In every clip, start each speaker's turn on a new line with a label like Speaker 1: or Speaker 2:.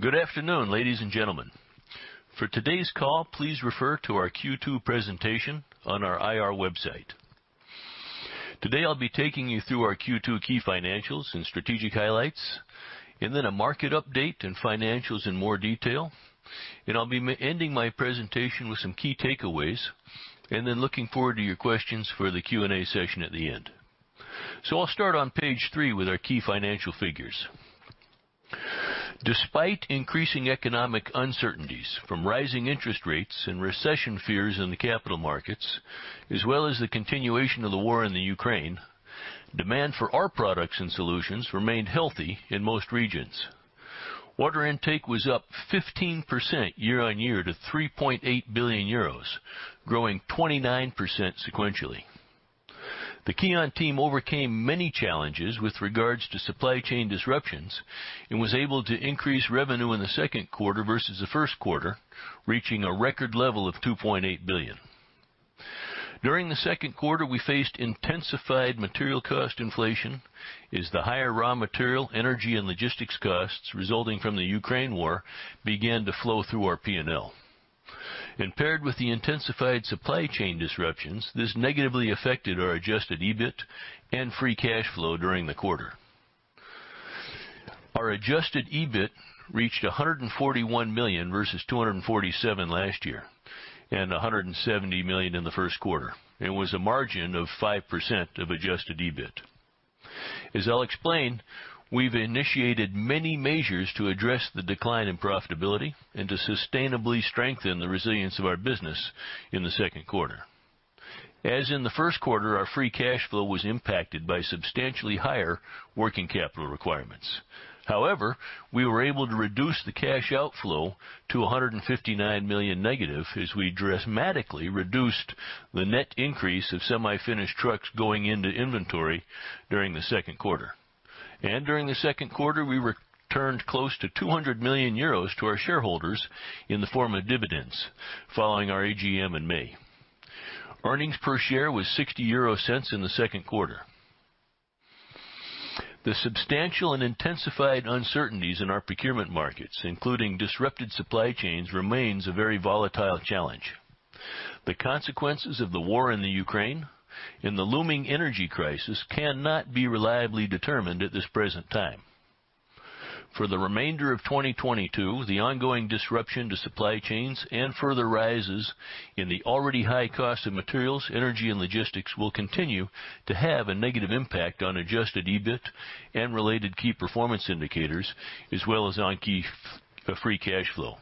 Speaker 1: Good afternoon, ladies and gentlemen. For today's call, please refer to our Q2 presentation on our IR website. Today I'll be taking you through our Q2 key financials and strategic highlights, and then a market update and financials in more detail. I'll be ending my presentation with some key takeaways and then looking-forward to your questions for the Q&A session at the end. I'll start on page three with our key financial figures. Despite increasing economic uncertainties from rising interest rates and recession fears in the capital markets, as well as the continuation of the war in the Ukraine, demand for our products and solutions remained healthy in most regions. Order intake was up 15% year-over-year to 3.8 billion euros, growing 29% sequentially. The Kion team overcame many challenges with regards to supply chain disruptions and was able to increase revenue in the second quarter versus the first quarter, reaching a record level of 2.8 billion. During the second quarter, we faced intensified material cost inflation as the higher raw material, energy, and logistics costs resulting from the Ukraine war began to flow through our P&L. Paired with the intensified supply chain disruptions, this negatively affected our adjusted EBIT and free cash flow during the quarter. Our adjusted EBIT reached 141 million versus 247 million last year and 170 million in the first quarter, and was a margin of 5% of adjusted EBIT. As I'll explain, we've initiated many measures to address the decline in profitability and to sustainably strengthen the resilience of our business in the second quarter. As in the first quarter, our free cash flow was impacted by substantially higher working capital requirements. However, we were able to reduce the cash outflow to -159 million as we dramatically reduced the net increase of semi-finished trucks going into inventory during the second quarter. During the second quarter, we returned close to 200 million euros to our shareholders in the form of dividends following our AGM in May. Earnings per share was 0.60 EUR in the second quarter. The substantial and intensified uncertainties in our procurement markets, including disrupted supply chains, remains a very volatile challenge. The consequences of the war in the Ukraine and the looming energy crisis cannot be reliably determined at this present time. For the remainder of 2022, the ongoing disruption to supply chains and further rises in the already high cost of materials, energy, and logistics will continue to have a negative impact on adjusted EBIT and related key performance indicators, as well as on free cash flow.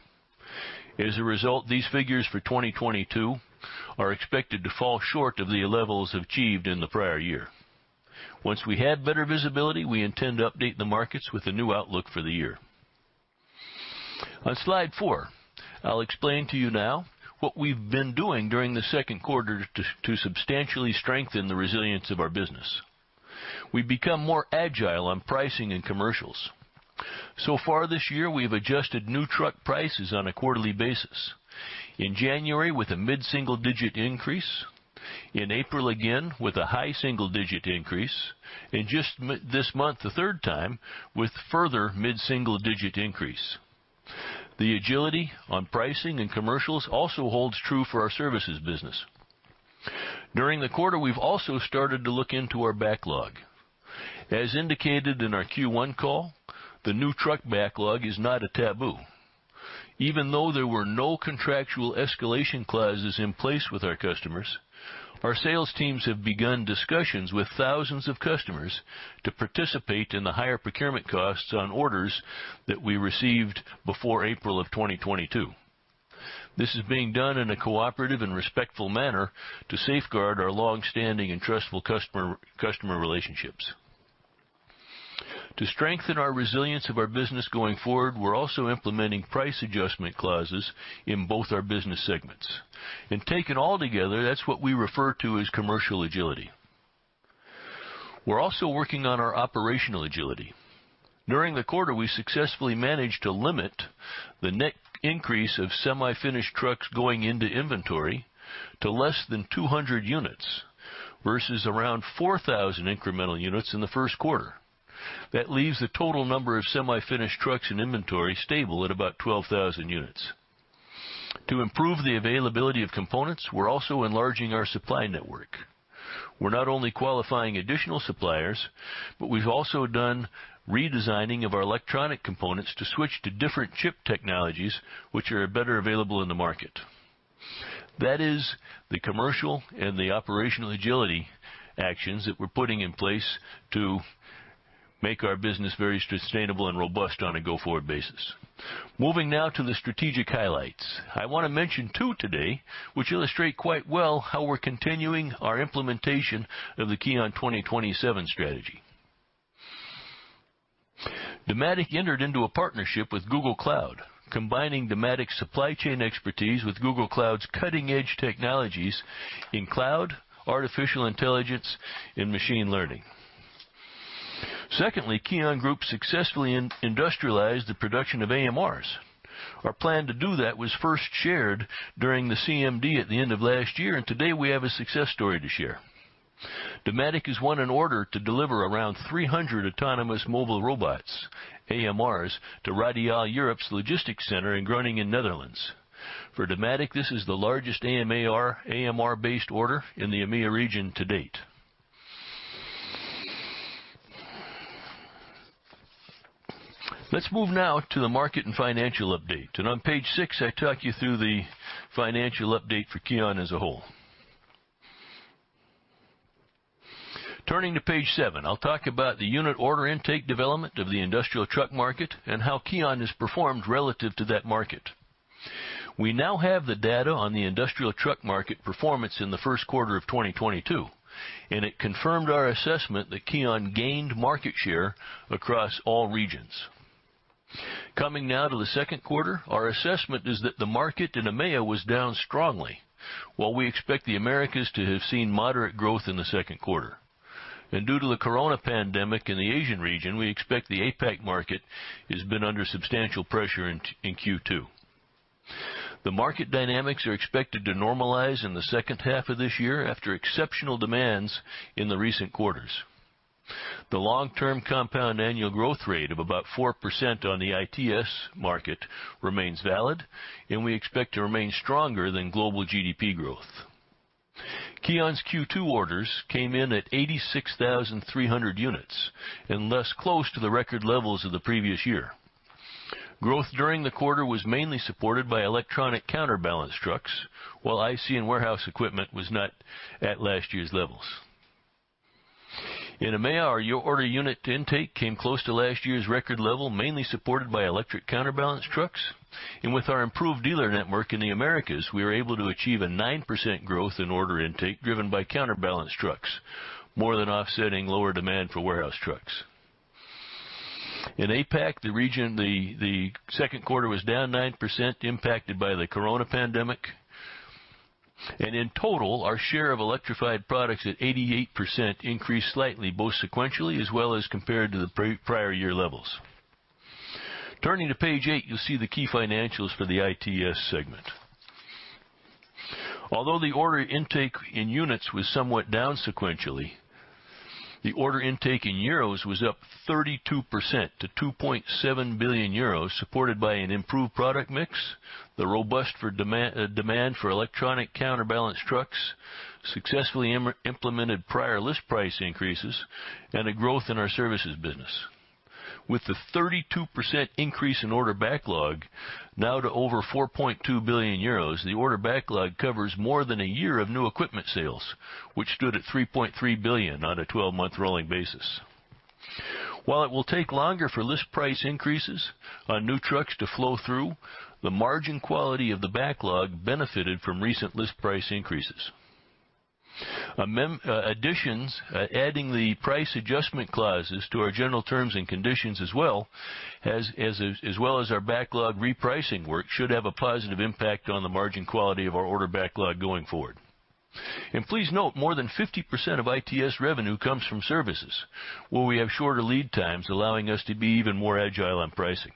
Speaker 1: As a result, these figures for 2022 are expected to fall short of the levels achieved in the prior year. Once we have better visibility, we intend to update the markets with a new outlook for the year. On Slide 4, I'll explain to you now what we've been doing during the second quarter to substantially strengthen the resilience of our business. We've become more agile on pricing and commercials. So far this year, we have adjusted new truck prices on a quarterly basis. In January with a mid-single digit increase, in April again with a high single digit increase, and just this month, the third time, with further mid-single digit increase. The agility on pricing and commercials also holds true for our services business. During the quarter, we've also started to look into our backlog. As indicated in our Q1 call, the new truck backlog is not a taboo. Even though there were no contractual escalation clauses in place with our customers, our sales teams have begun discussions with thousands of customers to participate in the higher procurement costs on orders that we received before April of 2022. This is being done in a cooperative and respectful manner to safeguard our long-standing and trustful customer relationships. To strengthen our resilience of our business going forward, we're also implementing price adjustment clauses in both our business segments. Taken all together, that's what we refer to as commercial agility. We're also working on our operational agility. During the quarter, we successfully managed to limit the net increase of semi-finished trucks going into inventory to less than 200 units versus around 4,000 incremental units in the first quarter. That leaves the total number of semi-finished trucks in inventory stable at about 12,000 units. To improve the availability of components, we're also enlarging our supply network. We're not only qualifying additional suppliers, but we've also done redesigning of our electronic components to switch to different chip technologies, which are better available in the market. That is the commercial and the operational agility actions that we're putting in place to make our business very sustainable and robust on a go-forward basis. Moving now to the strategic highlights. I want to mention two today, which illustrate quite well how we're continuing our implementation of the KION 2027 strategy. Dematic entered into a partnership with Google Cloud, combining Dematic's supply chain expertise with Google Cloud's cutting-edge technologies in cloud, artificial intelligence, and machine learning. Secondly, Kion Group successfully industrialized the production of AMRs. Our plan to do that was first shared during the CMD at the end of last year, and today we have a success story to share. Dematic has won an order to deliver around 300 autonomous mobile robots, AMRs, to Radial Europe's logistics center in Groningen, Netherlands. For Dematic, this is the largest AMR-based order in the EMEA region to date. Let's move now to the market and financial update. On page six, I talk you through the financial update for Kion as a whole. Turning to page seven, I'll talk about the unit order intake development of the industrial truck market and how KION has performed relative to that market. We now have the data on the industrial truck market performance in the first quarter of 2022, and it confirmed our assessment that KION gained market share across all regions. Coming now to the second quarter, our assessment is that the market in EMEA was down strongly. While we expect the Americas to have seen moderate growth in the second quarter. Due to the corona pandemic in the Asian region, we expect the APAC market has been under substantial pressure in Q2. The market dynamics are expected to normalize in the second half of this year after exceptional demands in the recent quarters. The long-term compound annual growth rate of about 4% on the ITS market remains valid, and we expect to remain stronger than global GDP growth. Kion's Q2 orders came in at 86,300 units and was close to the record levels of the previous year. Growth during the quarter was mainly supported by electric counterbalance trucks, while IC and warehouse equipment was not at last year's levels. In EMEA, our order unit intake came close to last year's record level, mainly supported by electric counterbalance trucks. With our improved dealer network in the Americas, we were able to achieve a 9% growth in order intake driven by counterbalance trucks, more than offsetting lower demand for warehouse trucks. In APAC, the region, the second quarter was down 9% impacted by the corona pandemic. In total, our share of electrified products at 88% increased slightly, both sequentially as well as compared to the prior year levels. Turning to page eight, you'll see the key financials for the ITS segment. Although the order intake in units was somewhat down sequentially, the order intake in euros was up 32% to 2.7 billion euros, supported by an improved product mix, the robust demand for electric counterbalance trucks, successfully implemented prior list price increases, and a growth in our services business. With the 32% increase in order backlog now to over 4.2 billion euros, the order backlog covers more than a year of new equipment sales, which stood at 3.3 billion on a 12-month rolling basis. While it will take longer for list price increases on new trucks to flow through, the margin quality of the backlog benefited from recent list price increases. Adding the price adjustment clauses to our general terms and conditions as well as our backlog repricing work should have a positive impact on the margin quality of our order backlog going forward. Please note, more than 50% of ITS revenue comes from services, where we have shorter lead times, allowing us to be even more agile on pricing.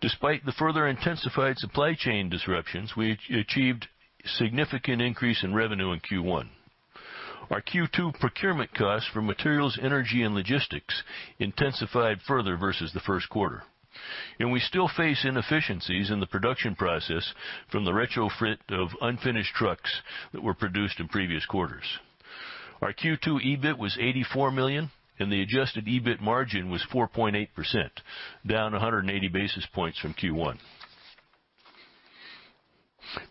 Speaker 1: Despite the further intensified supply chain disruptions, we achieved significant increase in revenue in Q1. Our Q2 procurement costs for materials, energy, and logistics intensified further versus the first quarter. We still face inefficiencies in the production process from the retrofit of unfinished trucks that were produced in previous quarters. Our Q2 EBIT was 84 million, and the adjusted EBIT margin was 4.8%, down 180 basis points from Q1.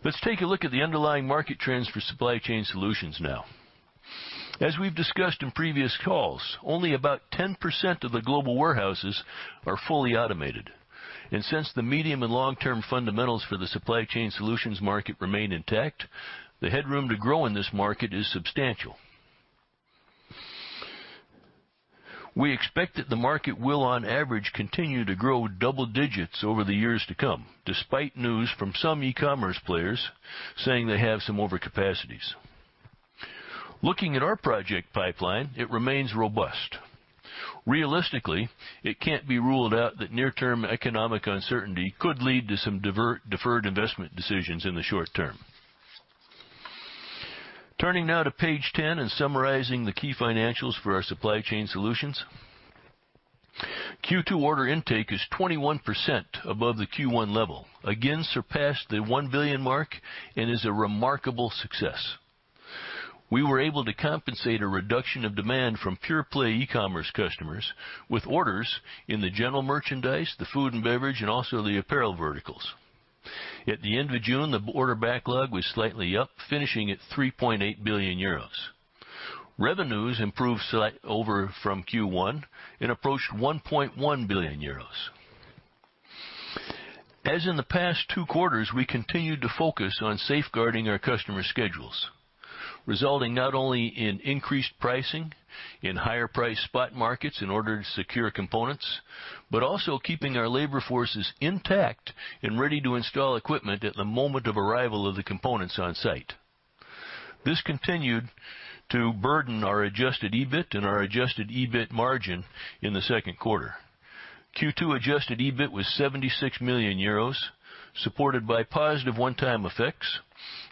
Speaker 1: Let's take a look at the underlying market trends for Supply Chain Solutions now. As we've discussed in previous calls, only about 10% of the global warehouses are fully automated. Since the medium and long-term fundamentals for the Supply Chain Solutions market remain intact, the headroom to grow in this market is substantial. We expect that the market will, on average, continue to grow double digits over the years to come, despite news from some e-commerce players saying they have some overcapacities. Looking at our project pipeline, it remains robust. Realistically, it can't be ruled out that near-term economic uncertainty could lead to some deferred investment decisions in the short term. Turning now to page 10 and summarizing the key financials for our Supply Chain Solutions. Q2 order intake is 21% above the Q1 level, again surpassed the 1 billion mark and is a remarkable success. We were able to compensate a reduction of demand from pure-play e-commerce customers with orders in the general merchandise, the food and beverage, and also the apparel verticals. At the end of June, the order backlog was slightly up, finishing at 3.8 billion euros. Revenues improved slightly over Q1 and approached 1.1 billion euros. As in the past two quarters, we continued to focus on safeguarding our customer schedules, resulting not only in increased pricing, in higher-priced spot markets in order to secure components, but also keeping our labor forces intact and ready to install equipment at the moment of arrival of the components on site. This continued to burden our adjusted EBIT and our adjusted EBIT margin in the second quarter. Q2 adjusted EBIT was 76 million euros, supported by positive one-time effects.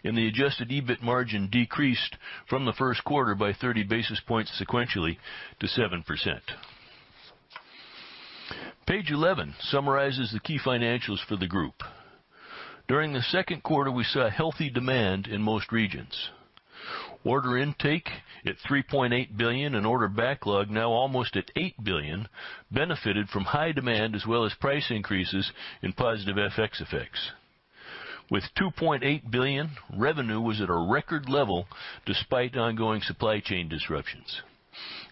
Speaker 1: The adjusted EBIT margin decreased from the first quarter by 30 basis points sequentially to 7%. Page eleven summarizes the key financials for the group. During the second quarter, we saw a healthy demand in most regions. Order intake at 3.8 billion and order backlog now almost at 8 billion, benefited from high demand as well as price increases and positive FX effects. With 2.8 billion, revenue was at a record level despite ongoing supply chain disruptions.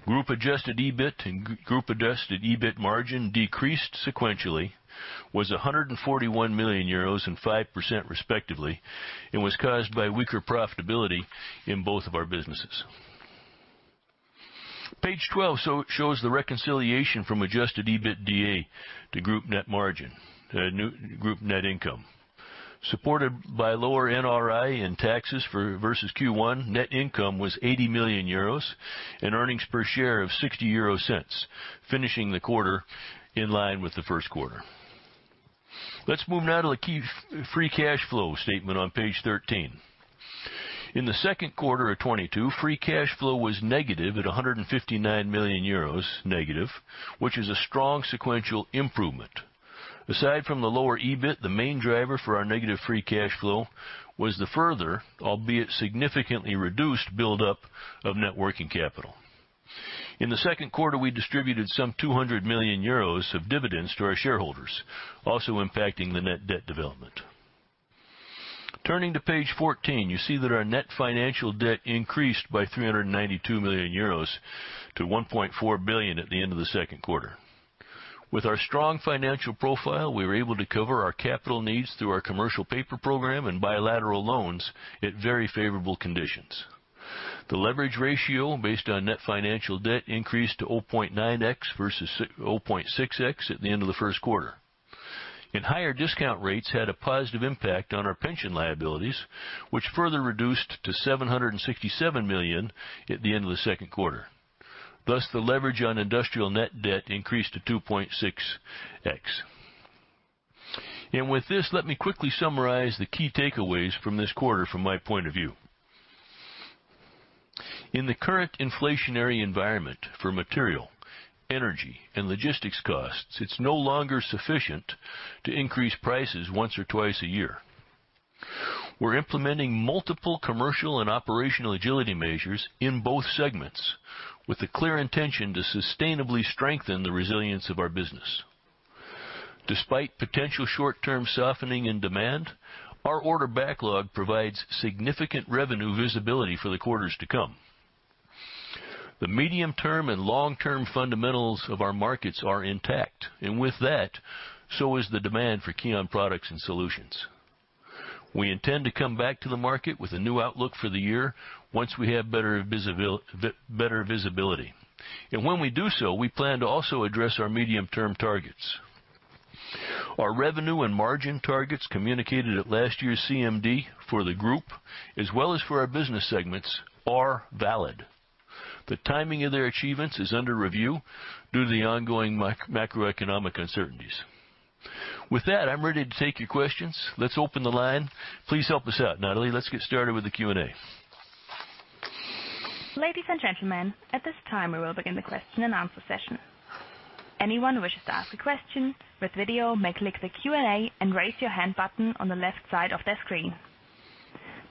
Speaker 1: Group adjusted EBIT and group adjusted EBIT margin decreased sequentially, was 141 million euros and 5% respectively, and was caused by weaker profitability in both of our businesses. Page 12 shows the reconciliation from adjusted EBITDA to group net margin and group net income. Supported by lower NRI and taxes versus Q1, net income was 80 million euros and earnings per share of 0.60, finishing the quarter in line with the first quarter. Let's move now to the key free cash flow statement on page 13. In the second quarter of 2022, free cash flow was negative at -159 million euros, which is a strong sequential improvement. Aside from the lower EBIT, the main driver for our negative free cash flow was the further, albeit significantly reduced, buildup of net working capital. In the second quarter, we distributed some 200 million euros of dividends to our shareholders, also impacting the net debt development. Turning to page 14, you see that our net financial debt increased by 392 million euros to 1.4 billion at the end of the second quarter. With our strong financial profile, we were able to cover our capital needs through our commercial paper program and bilateral loans at very favorable conditions. The leverage ratio based on net financial debt increased to 0.9x versus zero point six x at the end of the first quarter. Higher discount rates had a positive impact on our pension liabilities, which further reduced to 767 million at the end of the second quarter. Thus, the leverage on industrial net debt increased to 2.6x. With this, let me quickly summarize the key takeaways from this quarter from my point of view. In the current inflationary environment for material, energy, and logistics costs, it's no longer sufficient to increase prices once or twice a year. We're implementing multiple commercial and operational agility measures in both segments with a clear intention to sustainably strengthen the resilience of our business. Despite potential short-term softening in demand, our order backlog provides significant revenue visibility for the quarters to come. The medium-term and long-term fundamentals of our markets are intact, and with that, so is the demand for Kion products and solutions. We intend to come back to the market with a new outlook for the year once we have better visibility. When we do so, we plan to also address our medium-term targets. Our revenue and margin targets communicated at last year's CMD for the group as well as for our business segments, are valid. The timing of their achievements is under review due to the ongoing macroeconomic uncertainties. With that, I'm ready to take your questions. Let's open the line. Please help us out, Natalie. Let's get started with the Q&A.
Speaker 2: Ladies and gentlemen, at this time, we will begin the question and answer session. Anyone who wishes to ask a question with video may click the Q&A and Raise Your Hand button on the left side of their screen.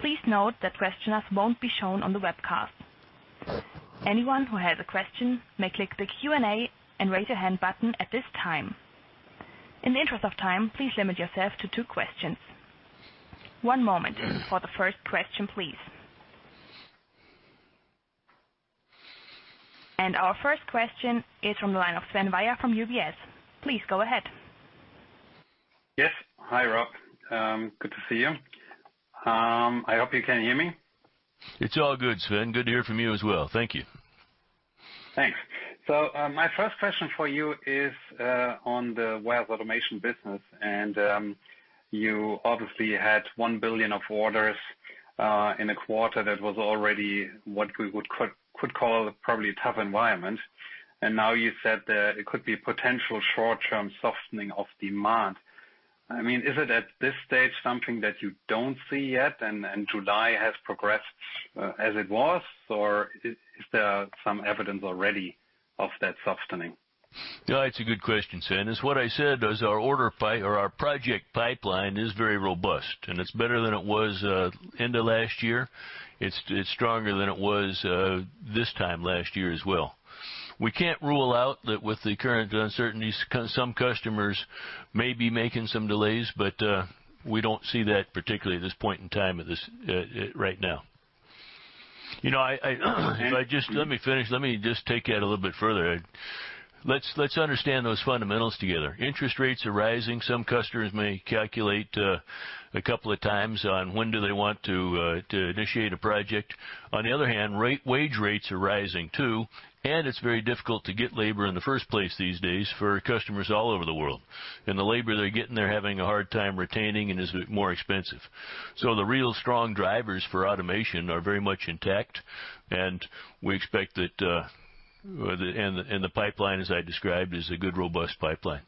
Speaker 2: Please note that questioners won't be shown on the webcast. Anyone who has a question may click the Q&A and Raise Your Hand button at this time. In the interest of time, please limit yourself to two questions. One moment for the first question, please. Our first question is from the line of Sven Weier from UBS. Please go ahead.
Speaker 3: Yes. Hi, Rob. Good to see you. I hope you can hear me.
Speaker 1: It's all good, Sven. Good to hear from you as well. Thank you.
Speaker 3: Thanks. My first question for you is on the warehouse automation business. You obviously had 1 billion of orders in a quarter that was already what we could call probably a tough environment. Now you said that it could be potential short-term softening of demand. I mean, is it at this stage something that you don't see yet and July has progressed as it was, or is there some evidence already of that softening?
Speaker 1: Yeah, it's a good question, Sven. It's what I said, is our project pipeline is very robust, and it's better than it was end of last year. It's stronger than it was this time last year as well. We can't rule out that with the current uncertainties, some customers may be making some delays, but we don't see that particularly at this point in time right now. You know, I if I just
Speaker 3: Okay.
Speaker 1: Let me finish. Let me just take that a little bit further. Let's understand those fundamentals together. Interest rates are rising. Some customers may calculate a couple of times on when do they want to initiate a project. On the other hand, wage rates are rising too, and it's very difficult to get labor in the first place these days for customers all over the world. The labor they're getting, they're having a hard time retaining and is more expensive. The real strong drivers for automation are very much intact, and we expect that. The pipeline, as I described, is a good, robust pipeline.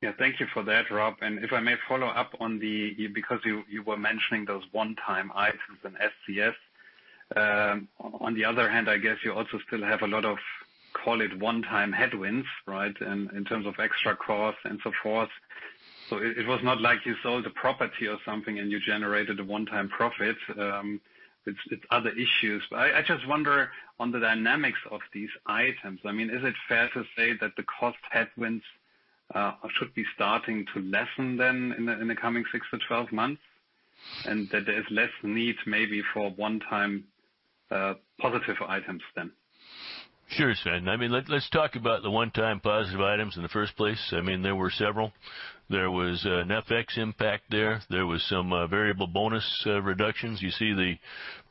Speaker 3: Yeah, thank you for that, Rob. If I may follow up because you were mentioning those one-time items in SCS. On the other hand, I guess you also still have a lot of, call it, one-time headwinds, right, in terms of extra costs and so forth. It was not like you sold a property or something and you generated a one-time profit. It's other issues. I just wonder on the dynamics of these items. I mean, is it fair to say that the cost headwinds should be starting to lessen then in the coming six-12 months, and that there's less need maybe for one-time positive items then?
Speaker 1: Sure, Sven. I mean, let's talk about the one-time positive items in the first place. I mean, there were several. There was an FX impact there. There was some variable bonus reductions. You see the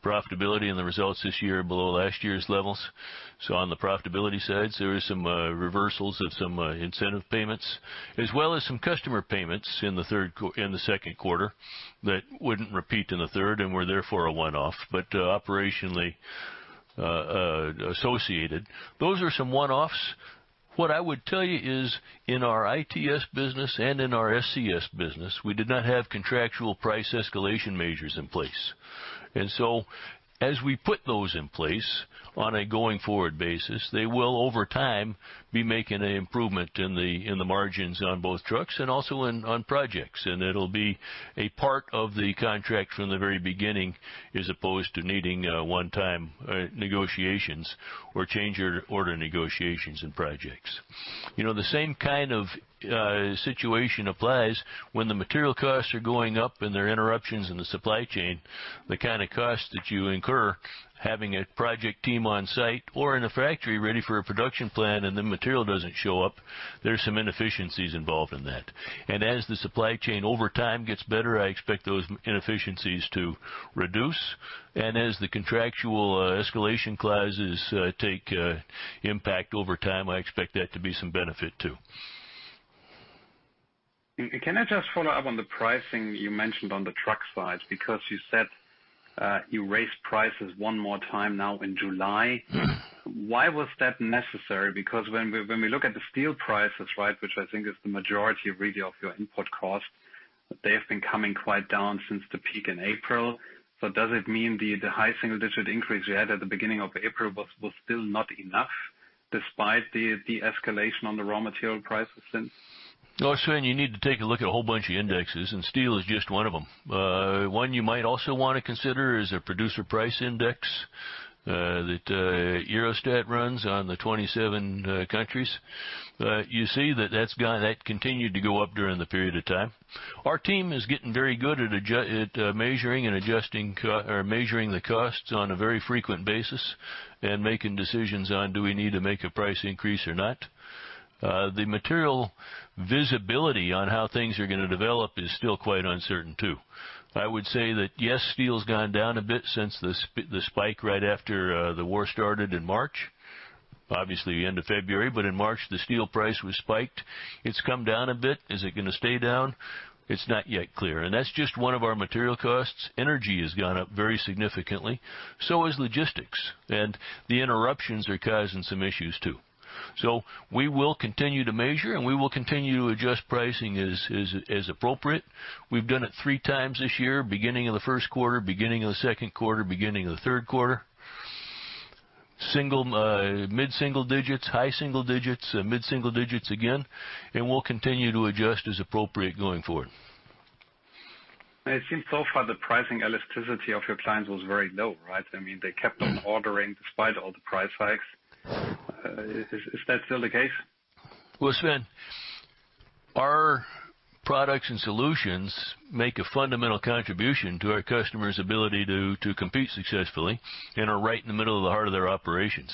Speaker 1: profitability in the results this year below last year's levels. On the profitability sides, there was some reversals of some incentive payments, as well as some customer payments in the second quarter that wouldn't repeat in the third and were therefore a one-off, but operationally associated. Those are some one-offs. What I would tell you is in our ITS business and in our SCS business, we did not have contractual price escalation measures in place. As we put those in place on a going forward basis, they will over time be making an improvement in the margins on both trucks and also on projects. It'll be a part of the contract from the very beginning, as opposed to needing one-time negotiations or change your order negotiations and projects. You know, the same kind of situation applies when the material costs are going up and there are interruptions in the supply chain. The kind of costs that you incur, having a project team on site or in a factory ready for a production plan and the material doesn't show up, there's some inefficiencies involved in that. As the supply chain over time gets better, I expect those inefficiencies to reduce. As the contractual escalation clauses take impact over time, I expect that to be some benefit too.
Speaker 3: Can I just follow up on the pricing you mentioned on the truck side? Because you said, you raised prices one more time now in July. Why was that necessary? Because when we look at the steel prices, right, which I think is the majority really of your input cost, they have been coming quite down since the peak in April. Does it mean the high single digit increase you had at the beginning of April was still not enough despite the escalation on the raw material prices since?
Speaker 1: No, Sven, you need to take a look at a whole bunch of indexes, and steel is just one of them. One you might also wanna consider is a Producer Price Index that Eurostat runs on the 27 countries. You see that that's continued to go up during the period of time. Our team is getting very good at measuring the costs on a very frequent basis and making decisions on do we need to make a price increase or not. The material visibility on how things are gonna develop is still quite uncertain, too. I would say that, yes, steel's gone down a bit since the spike right after the war started in March. Obviously, the end of February, but in March, the steel price was spiked. It's come down a bit. Is it gonna stay down? It's not yet clear. That's just one of our material costs. Energy has gone up very significantly, so has logistics, and the interruptions are causing some issues, too. We will continue to measure, and we will continue to adjust pricing as appropriate. We've done it three times this year, beginning of the first quarter, beginning of the second quarter, beginning of the third quarter. Mid-single digits, high single digits, mid-single digits again, and we'll continue to adjust as appropriate going forward.
Speaker 3: It seems so far the pricing elasticity of your clients was very low, right? I mean, they kept on ordering despite all the price hikes. Is that still the case?
Speaker 1: Well, Sven, our products and solutions make a fundamental contribution to our customers' ability to compete successfully and are right in the middle of the heart of their operations.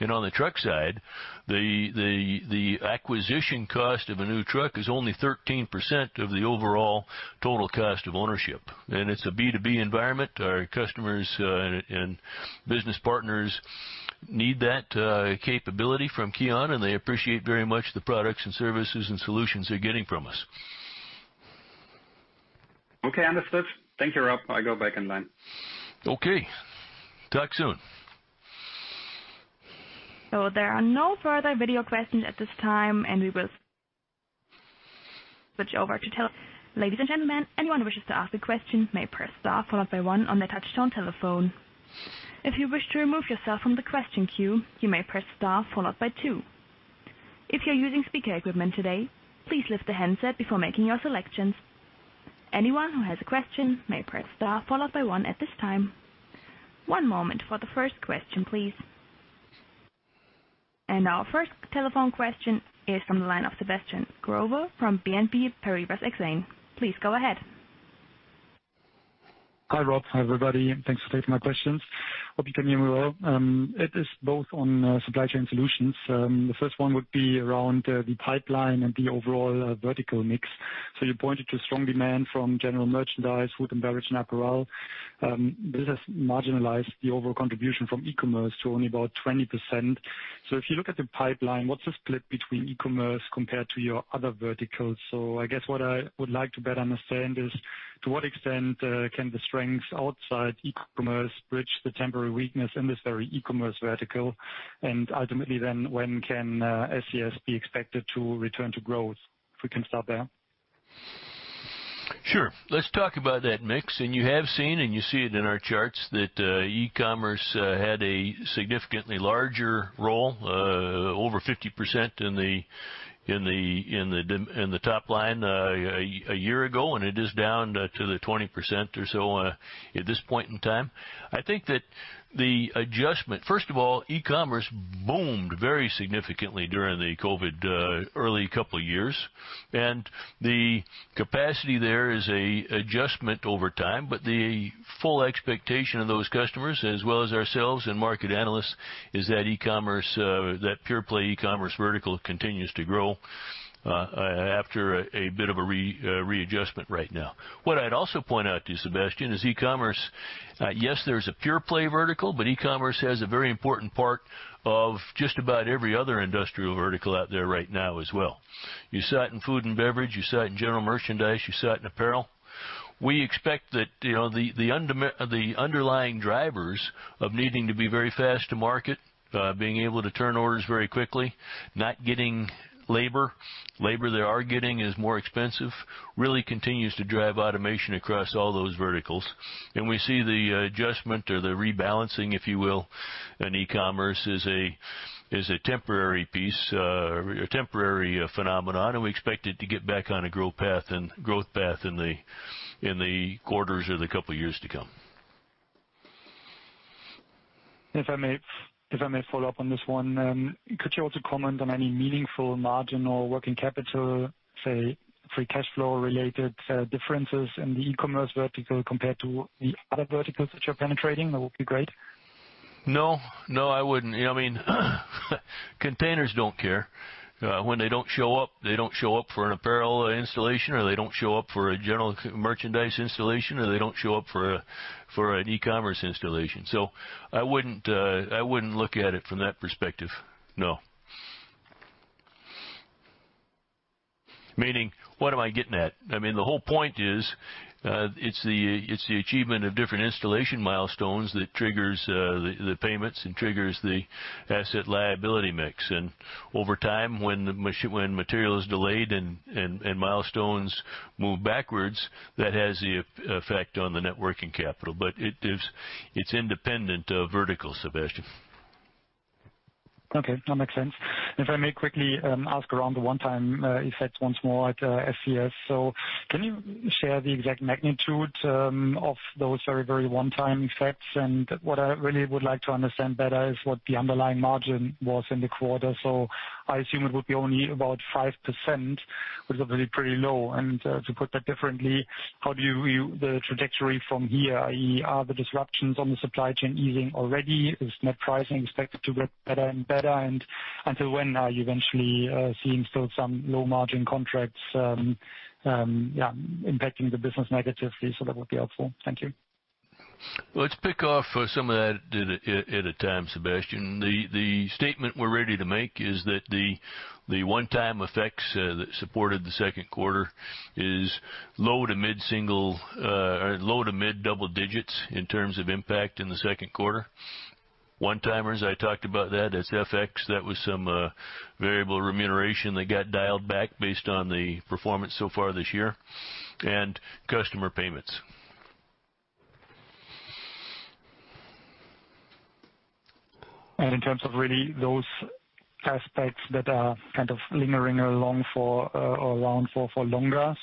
Speaker 1: On the truck side, the acquisition cost of a new truck is only 13% of the overall total cost of ownership. It's a B2B environment. Our customers and business partners need that capability from Kion, and they appreciate very much the products and services and solutions they're getting from us.
Speaker 3: Okay, understood. Thank you, Rob. I go back in line.
Speaker 1: Okay. Talk soon.
Speaker 2: There are no further video questions at this time, and we will switch over to Ladies and gentlemen, anyone who wishes to ask a question may press star followed by one on their touchtone telephone. If you wish to remove yourself from the question queue, you may press star followed by two. If you're using speaker equipment today, please lift the handset before making your selections. Anyone who has a question may press star followed by one at this time. One moment for the first question, please. Our first telephone question is from the line of Sebastian Growe from BNP Paribas Exane. Please go ahead.
Speaker 4: Hi, Rob. Hi, everybody, and thanks for taking my questions. Hope you can hear me well. It is both on Supply Chain Solutions. The first one would be around the pipeline and the overall vertical mix. You pointed to strong demand from general merchandise, food and beverage and apparel. This has marginalized the overall contribution from e-commerce to only about 20%. If you look at the pipeline, what's the split between e-commerce compared to your other verticals? I guess what I would like to better understand is, to what extent can the strengths outside e-commerce bridge the temporary weakness in this very e-commerce vertical? Ultimately then when can SCS be expected to return to growth? If we can start there.
Speaker 1: Sure. Let's talk about that mix. You have seen, and you see it in our charts, that e-commerce had a significantly larger role over 50% in the top line a year ago, and it is down to the 20% or so at this point in time. I think that the adjustment. First of all, e-commerce boomed very significantly during the COVID early couple of years. The capacity there is a adjustment over time, but the full expectation of those customers, as well as ourselves and market analysts, is that e-commerce that pure play e-commerce vertical continues to grow after a bit of a readjustment right now. What I'd also point out to you, Sebastian, is e-commerce. Yes, there's a pure play vertical, but e-commerce has a very important part of just about every other industrial vertical out there right now as well. You saw it in food and beverage, you saw it in general merchandise, you saw it in apparel. We expect that, you know, the underlying drivers of needing to be very fast to market, being able to turn orders very quickly, not getting labor, the labor they are getting is more expensive, really continues to drive automation across all those verticals. We see the adjustment or the rebalancing, if you will, in e-commerce as a temporary piece, temporary phenomenon, and we expect it to get back on a grow path and growth path in the quarters or the couple of years to come.
Speaker 4: If I may follow up on this one, could you also comment on any meaningful margin or working capital, say, free cash flow related, differences in the e-commerce vertical compared to the other verticals that you're penetrating? That would be great.
Speaker 1: No. No, I wouldn't. I mean, containers don't care. When they don't show up, they don't show up for an apparel installation, or they don't show up for a general merchandise installation, or they don't show up for an e-commerce installation. I wouldn't look at it from that perspective. No. Meaning, what am I getting at? I mean, the whole point is, it's the achievement of different installation milestones that triggers the payments and triggers the asset liability mix. Over time, when material is delayed and milestones move backwards, that has the effect on the net working capital. It is independent of vertical, Sebastian Growe.
Speaker 4: Okay, that makes sense. If I may quickly ask about the one-time effects once more at SCS. Can you share the exact magnitude of those very one-time effects? What I really would like to understand better is what the underlying margin was in the quarter. I assume it would be only about 5%, which is obviously pretty low. To put that differently, how do you view the trajectory from here, i.e., are the disruptions on the supply chain easing already? Is net pricing expected to get better and better? Until when are you eventually seeing still some low margin contracts impacting the business negatively? That would be helpful. Thank you.
Speaker 1: Let's pick off some of that at a time, Sebastian. The statement we're ready to make is that the one-time effects that supported the second quarter is low to mid single, low to mid double digits in terms of impact in the second quarter. One-timers, I talked about that's FX. That was some variable remuneration that got dialed back based on the performance so far this year, and customer payments.
Speaker 4: In terms of really those aspects that are kind of lingering around for longer,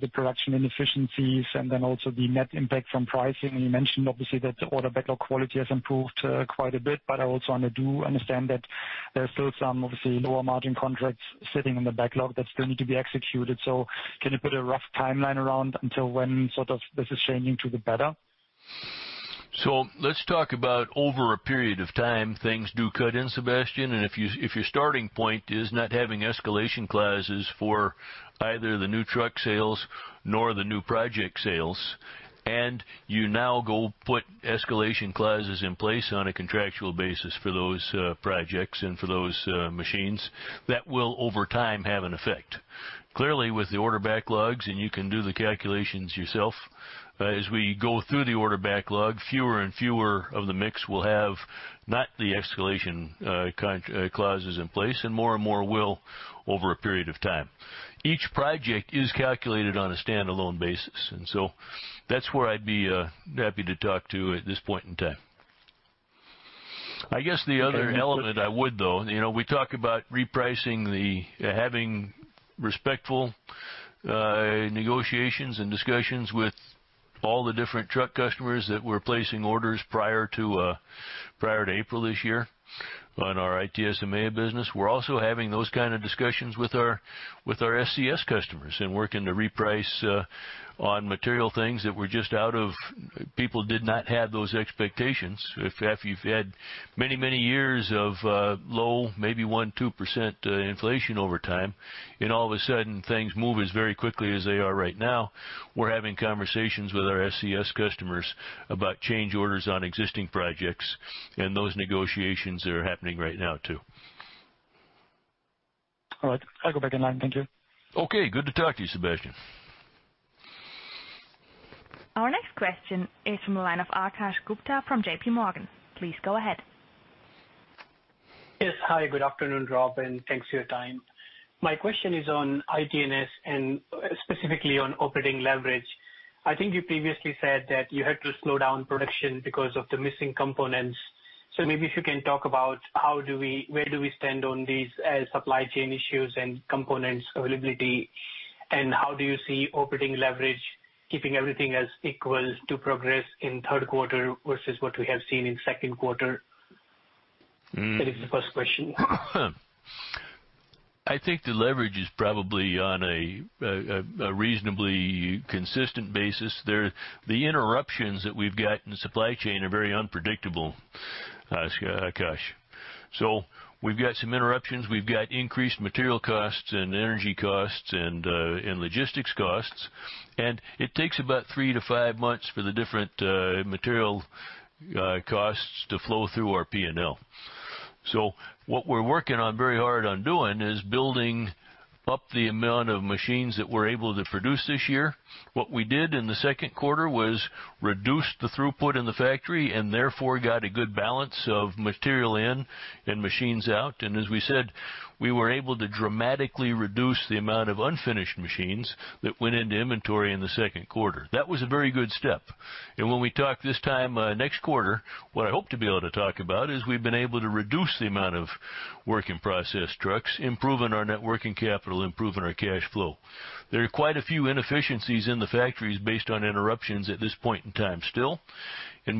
Speaker 4: the production inefficiencies and then also the net impact from pricing. You mentioned obviously that the order backlog quality has improved quite a bit, but I also want to understand that there are still some obviously lower margin contracts sitting in the backlog that still need to be executed. Can you put a rough timeline around until when sort of this is changing to the better?
Speaker 1: Let's talk about over a period of time, things do kick in, Sebastian Growe, and if your starting point is not having escalation clauses for either the new truck sales nor the new project sales, and you now go put escalation clauses in place on a contractual basis for those projects and for those machines, that will over time have an effect. Clearly, with the order backlogs, and you can do the calculations yourself, as we go through the order backlog, fewer and fewer of the mix will have not the escalation clauses in place and more and more will over a period of time. Each project is calculated on a standalone basis, and so that's where I'd be happy to talk to at this point in time. I guess the other element I would though, you know, we talk about repricing, having respectful negotiations and discussions with all the different truck customers that were placing orders prior to April this year on our ITS business. We're also having those kind of discussions with our SCS customers and working to reprice on material things that were just out of expectations. People did not have those expectations. If you've had many years of low, maybe 1%-2% inflation over time and all of a sudden things move very quickly as they are right now, we're having conversations with our SCS customers about change orders on existing projects and those negotiations are happening right now too.
Speaker 4: All right. I'll go back in line. Thank you.
Speaker 1: Okay, good to talk to you, Sebastian.
Speaker 2: Our next question is from the line of Akash Gupta from JPMorgan. Please go ahead.
Speaker 5: Yes. Hi, good afternoon, Rob, and thanks for your time. My question is on ITS and specifically on operating leverage. I think you previously said that you had to slow down production because of the missing components. Maybe if you can talk about where do we stand on these supply chain issues and components availability and how do you see operating leverage keeping everything as equal to progress in third quarter versus what we have seen in second quarter? That is the first question.
Speaker 1: I think the leverage is probably on a reasonably consistent basis. The interruptions that we've got in the supply chain are very unpredictable, Akash. We've got some interruptions. We've got increased material costs and energy costs and logistics costs. It takes about three-five months for the different material costs to flow through our P&L. What we're working on very hard on doing is building up the amount of machines that we're able to produce this year. What we did in the second quarter was reduce the throughput in the factory and therefore got a good balance of material in and machines out. As we said, we were able to dramatically reduce the amount of unfinished machines that went into inventory in the second quarter. That was a very good step. When we talk this time next quarter, what I hope to be able to talk about is we've been able to reduce the amount of work in process trucks, improving our net working capital, improving our cash flow. There are quite a few inefficiencies in the factories based on interruptions at this point in time still.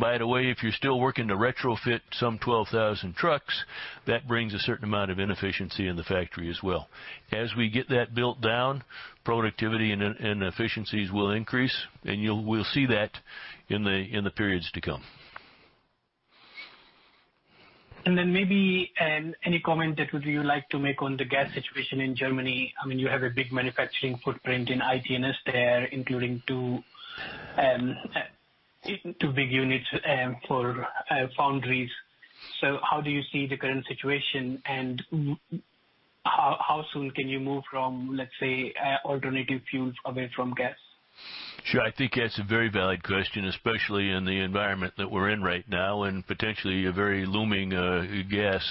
Speaker 1: By the way, if you're still working to retrofit some 12,000 trucks, that brings a certain amount of inefficiency in the factory as well. As we get that built down, productivity and efficiencies will increase, and we'll see that in the periods to come.
Speaker 5: Maybe any comment that you would like to make on the gas situation in Germany? I mean, you have a big manufacturing footprint in ITS there, including two big units for foundries. How do you see the current situation? How soon can you move from, let's say, alternative fuels away from gas?
Speaker 1: Sure. I think that's a very valid question, especially in the environment that we're in right now and potentially a very looming gas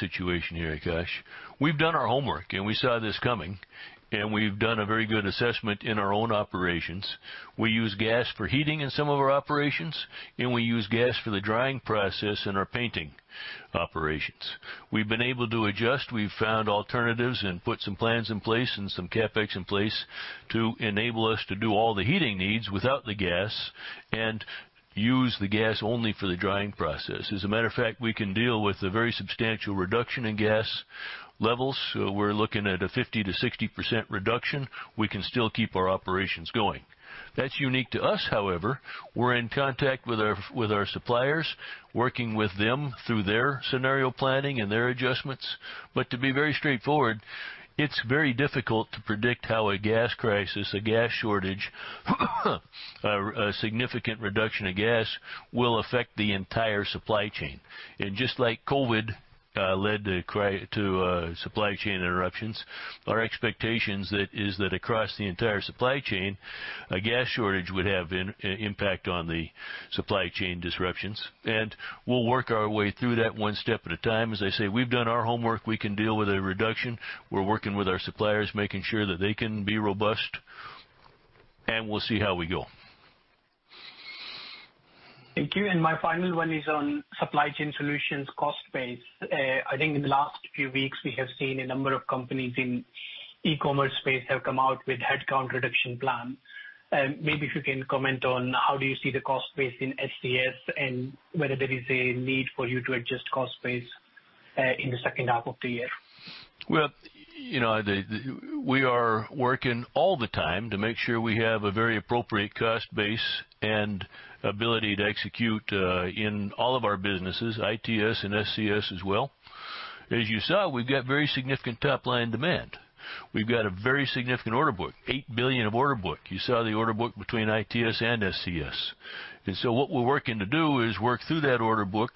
Speaker 1: situation here, Akash. We've done our homework, and we saw this coming, and we've done a very good assessment in our own operations. We use gas for heating in some of our operations, and we use gas for the drying process in our painting operations. We've been able to adjust. We've found alternatives and put some plans in place and some CapEx in place to enable us to do all the heating needs without the gas and use the gas only for the drying process. As a matter of fact, we can deal with a very substantial reduction in gas levels. We're looking at a 50%-60% reduction. We can still keep our operations going. That's unique to us, however. We're in contact with our suppliers, working with them through their scenario planning and their adjustments. To be very straightforward, it's very difficult to predict how a gas crisis, a gas shortage, a significant reduction of gas will affect the entire supply chain. Just like COVID led to supply chain interruptions, our expectation is that across the entire supply chain, a gas shortage would have an impact on the supply chain disruptions. We'll work our way through that one step at a time. As I say, we've done our homework. We can deal with a reduction. We're working with our suppliers, making sure that they can be robust, and we'll see how we go.
Speaker 5: Thank you. My final one is on Supply Chain Solutions cost base. I think in the last few weeks, we have seen a number of companies in e-commerce space have come out with headcount reduction plan. Maybe if you can comment on how do you see the cost base in SCS and whether there is a need for you to adjust cost base in the second half of the year?
Speaker 1: Well, you know, we are working all the time to make sure we have a very appropriate cost base and ability to execute in all of our businesses, ITS and SCS as well. As you saw, we've got very significant top-line demand. We've got a very significant order book, 8 billion order book. You saw the order book between ITS and SCS. What we're working to do is work through that order book,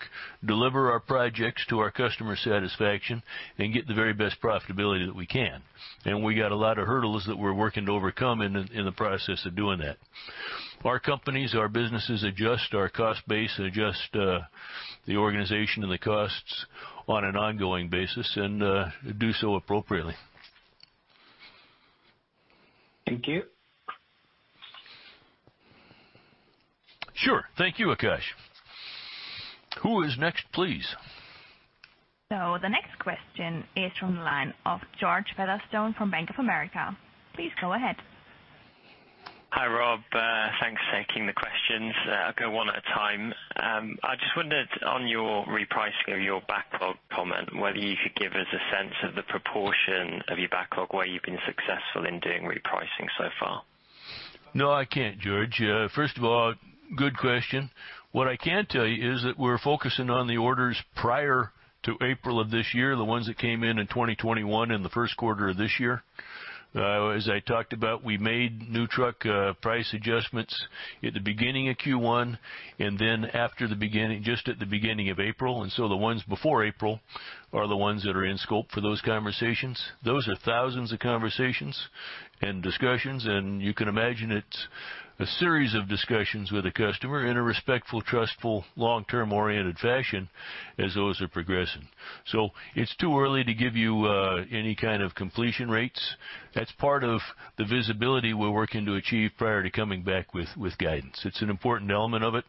Speaker 1: deliver our projects to our customer satisfaction, and get the very best profitability that we can. We got a lot of hurdles that we're working to overcome in the process of doing that. Our companies, our businesses adjust our cost base and adjust the organization and the costs on an ongoing basis and do so appropriately.
Speaker 5: Thank you.
Speaker 1: Sure. Thank you, Akash. Who is next, please?
Speaker 2: The next question is from the line of George Featherstone from Bank of America. Please go ahead.
Speaker 6: Hi, Rob. Thanks for taking the questions. I'll go one at a time. I just wondered on your repricing of your backlog comment, whether you could give us a sense of the proportion of your backlog, where you've been successful in doing repricing so far.
Speaker 1: No, I can't, George. First of all, good question. What I can tell you is that we're focusing on the orders prior to April of this year, the ones that came in in 2021 and the first quarter of this year. As I talked about, we made new truck price adjustments at the beginning of Q1 just at the beginning of April, and so the ones before April are the ones that are in scope for those conversations. Those are thousands of conversations and discussions, and you can imagine it's a series of discussions with a customer in a respectful, trustful, long-term-oriented fashion as those are progressing. It's too early to give you any kind of completion rates. That's part of the visibility we're working to achieve prior to coming back with guidance. It's an important element of it.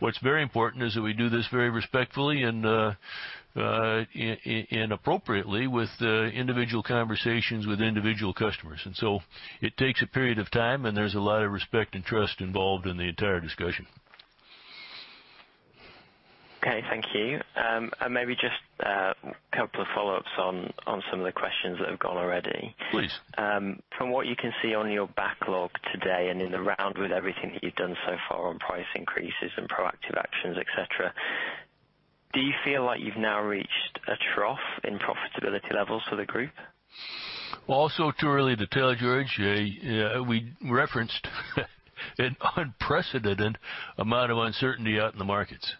Speaker 1: What's very important is that we do this very respectfully and appropriately with individual conversations with individual customers. It takes a period of time, and there's a lot of respect and trust involved in the entire discussion.
Speaker 6: Okay. Thank you. Maybe just a couple of follow-ups on some of the questions that have gone already.
Speaker 1: Please.
Speaker 6: From what you can see on your backlog today and in the round with everything that you've done so far on price increases and proactive actions, et cetera, do you feel like you've now reached a trough in profitability levels for the group?
Speaker 1: Also too early to tell, George. Yeah, we referenced an unprecedented amount of uncertainty out in the markets.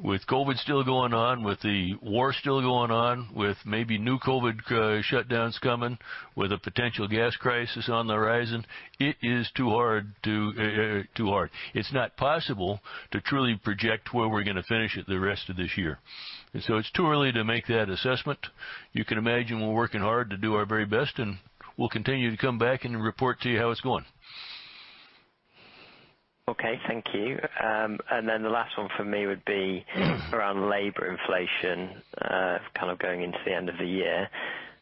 Speaker 1: With COVID still going on, with the war still going on, with maybe new COVID shutdowns coming, with a potential gas crisis on the horizon, it is too hard. It's not possible to truly project where we're gonna finish it the rest of this year. It's too early to make that assessment. You can imagine we're working hard to do our very best, and we'll continue to come back and report to you how it's going.
Speaker 6: Okay, thank you. The last one from me would be. Around labor inflation, kind of going into the end of the year.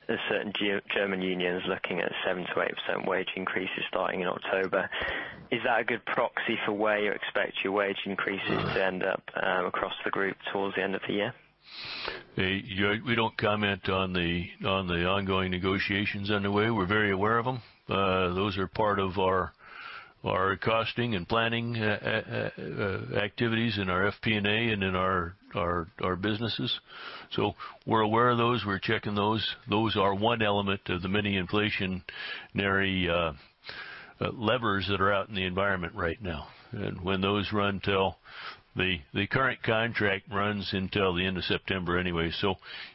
Speaker 6: There are certain German unions looking at 7%-8% wage increases starting in October. Is that a good proxy for where you expect your wage increases? To end up across the group towards the end of the year?
Speaker 1: George, we don't comment on the ongoing negotiations underway. We're very aware of them. Those are part of our costing and planning activities in our FP&A and in our businesses. We're aware of those. We're checking those. Those are one element of the many inflationary levers that are out in the environment right now. The current contract runs until the end of September anyway.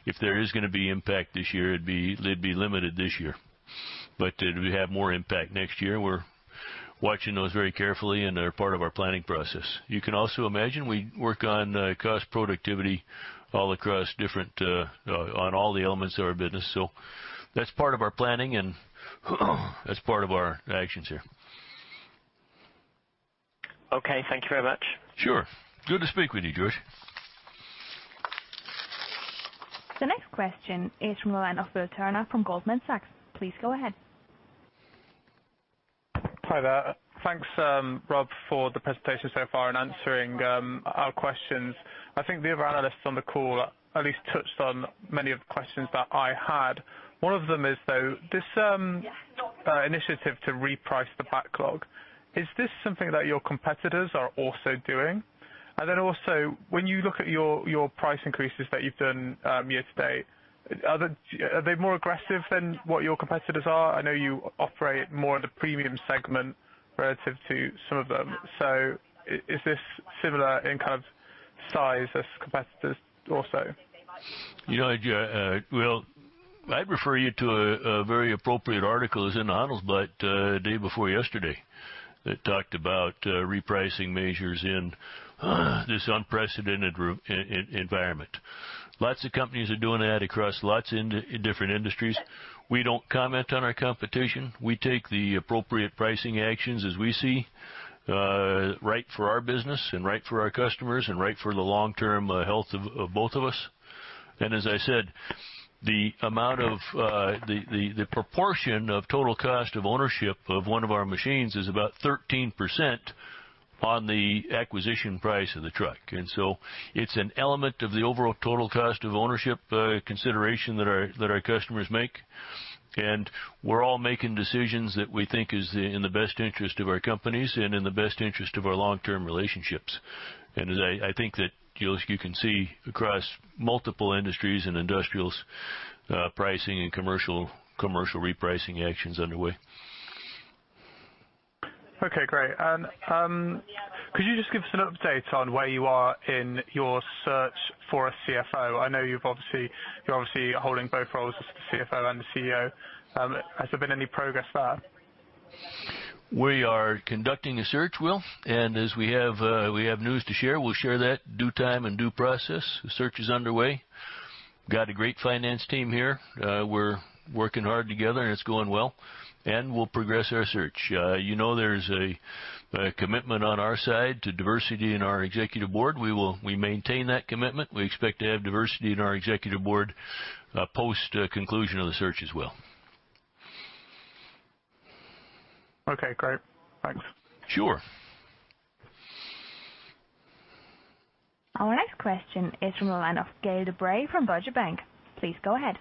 Speaker 1: If there is gonna be impact this year, it'd be limited this year. We have more impact next year. We're watching those very carefully, and they're part of our planning process. You can also imagine we work on cost productivity all across different on all the elements of our business. That's part of our planning and that's part of our actions here.
Speaker 6: Okay, thank you very much.
Speaker 1: Sure. Good to speak with you, George.
Speaker 2: The next question is from the line of Will Turner from Goldman Sachs. Please go ahead.
Speaker 7: Hi there. Thanks, Rob, for the presentation so far and answering our questions. I think the other analysts on the call at least touched on many of the questions that I had. One of them is, though, this initiative to reprice the backlog, is this something that your competitors are also doing? Then also, when you look at your price increases that you've done year to date, are they more aggressive than what your competitors are? I know you operate more in the premium segment relative to some of them. Is this similar in kind of size as competitors also?
Speaker 1: You know, Will, I'd refer you to a very appropriate article that's in the Handelsblatt about day before yesterday that talked about repricing measures in this unprecedented environment. Lots of companies are doing that across lots of different industries. We don't comment on our competition. We take the appropriate pricing actions as we see right for our business and right for our customers and right for the long-term health of both of us. As I said, the amount of the proportion of total cost of ownership of one of our machines is about 13% on the acquisition price of the truck. It's an element of the overall total cost of ownership consideration that our customers make. We're all making decisions that we think is in the best interest of our companies and in the best interest of our long-term relationships. As I think that, you know, as you can see across multiple industries and industrials, pricing and commercial repricing action is underway.
Speaker 7: Okay, great. Could you just give us an update on where you are in your search for a CFO? I know you're obviously holding both roles as the CFO and the CEO. Has there been any progress there?
Speaker 1: We are conducting a search, Will. As we have news to share, we'll share that due time and due process. The search is underway. Got a great finance team here. We're working hard together, and it's going well. We'll progress our search. You know, there's a commitment on our side to diversity in our executive board. We maintain that commitment. We expect to have diversity in our executive board post conclusion of the search as well.
Speaker 7: Okay, great. Thanks.
Speaker 1: Sure.
Speaker 2: Our next question is from the line of Gael de Bray from Deutsche Bank. Please go ahead.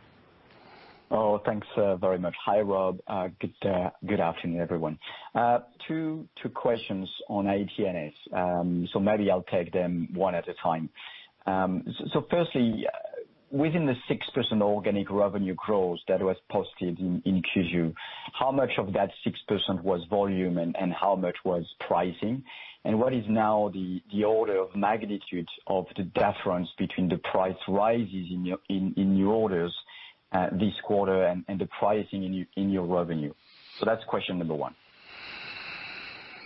Speaker 8: Oh, thanks very much. Hi, Rob. Good afternoon, everyone. Two questions on ITS. So maybe I'll take them one at a time. First, within the 6% organic revenue growth that was posted in Q2, how much of that 6% was volume and how much was pricing? And what is now the order of magnitude of the difference between the price rises in your orders this quarter and the pricing in your revenue? That's question number one.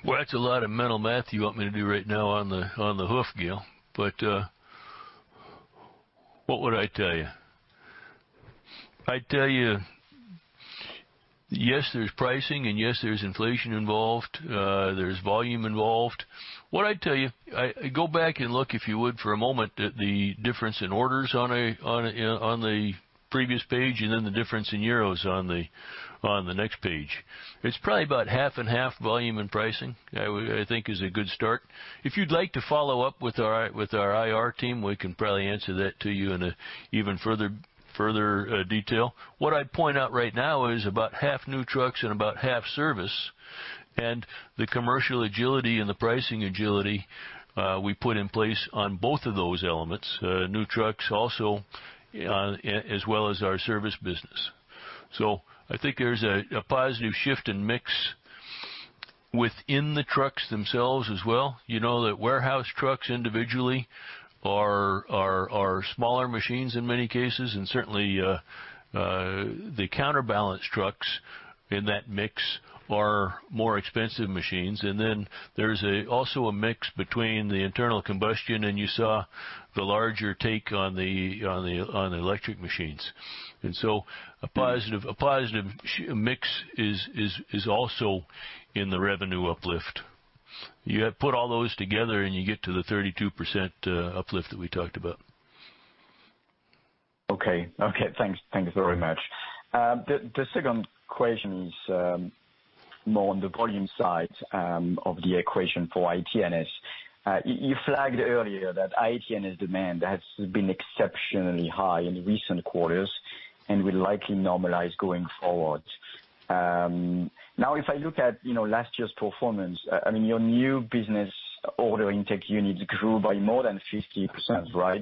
Speaker 1: Well, that's a lot of mental math you want me to do right now on the hoof, Gael. What would I tell you? I'd tell you, yes, there's pricing, and yes, there's inflation involved, there's volume involved. What I'd tell you, go back and look, if you would, for a moment, at the difference in orders on the previous page, and then the difference in euros on the next page. It's probably about half and half volume and pricing. I think it's a good start. If you'd like to follow up with our IR team, we can probably answer that to you in an even further detail. What I'd point out right now is about half new trucks and about half service. The commercial agility and the pricing agility we put in place on both of those elements, new trucks also, as well as our service business. I think there's a positive shift in mix within the trucks themselves as well. You know that warehouse trucks individually are smaller machines in many cases. Certainly, the counterbalance trucks in that mix are more expensive machines. Then there's also a mix between the internal combustion, and you saw the larger take on the electric machines. A positive mix is also in the revenue uplift. You put all those together and you get to the 32% uplift that we talked about.
Speaker 8: Okay. Okay, thanks. Thank you very much. The second question is more on the volume side of the equation for ITS. You flagged earlier that ITS demand has been exceptionally high in recent quarters and will likely normalize going forward. Now, if I look at, you know, last year's performance, I mean, your new business order intake units grew by more than 50%, right?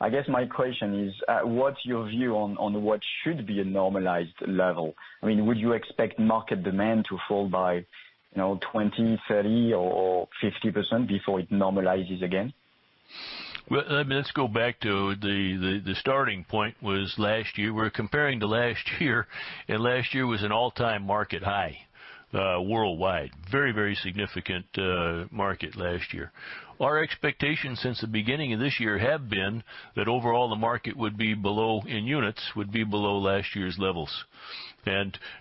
Speaker 8: I guess my question is, what's your view on what should be a normalized level? I mean, would you expect market demand to fall by, you know, 20%, 30%, or 50% before it normalizes again?
Speaker 1: Well, let me just go back to the starting point was last year. We're comparing to last year, and last year was an all-time market high, worldwide. Very, very significant market last year. Our expectations since the beginning of this year have been that overall the market would be below, in units, last year's levels.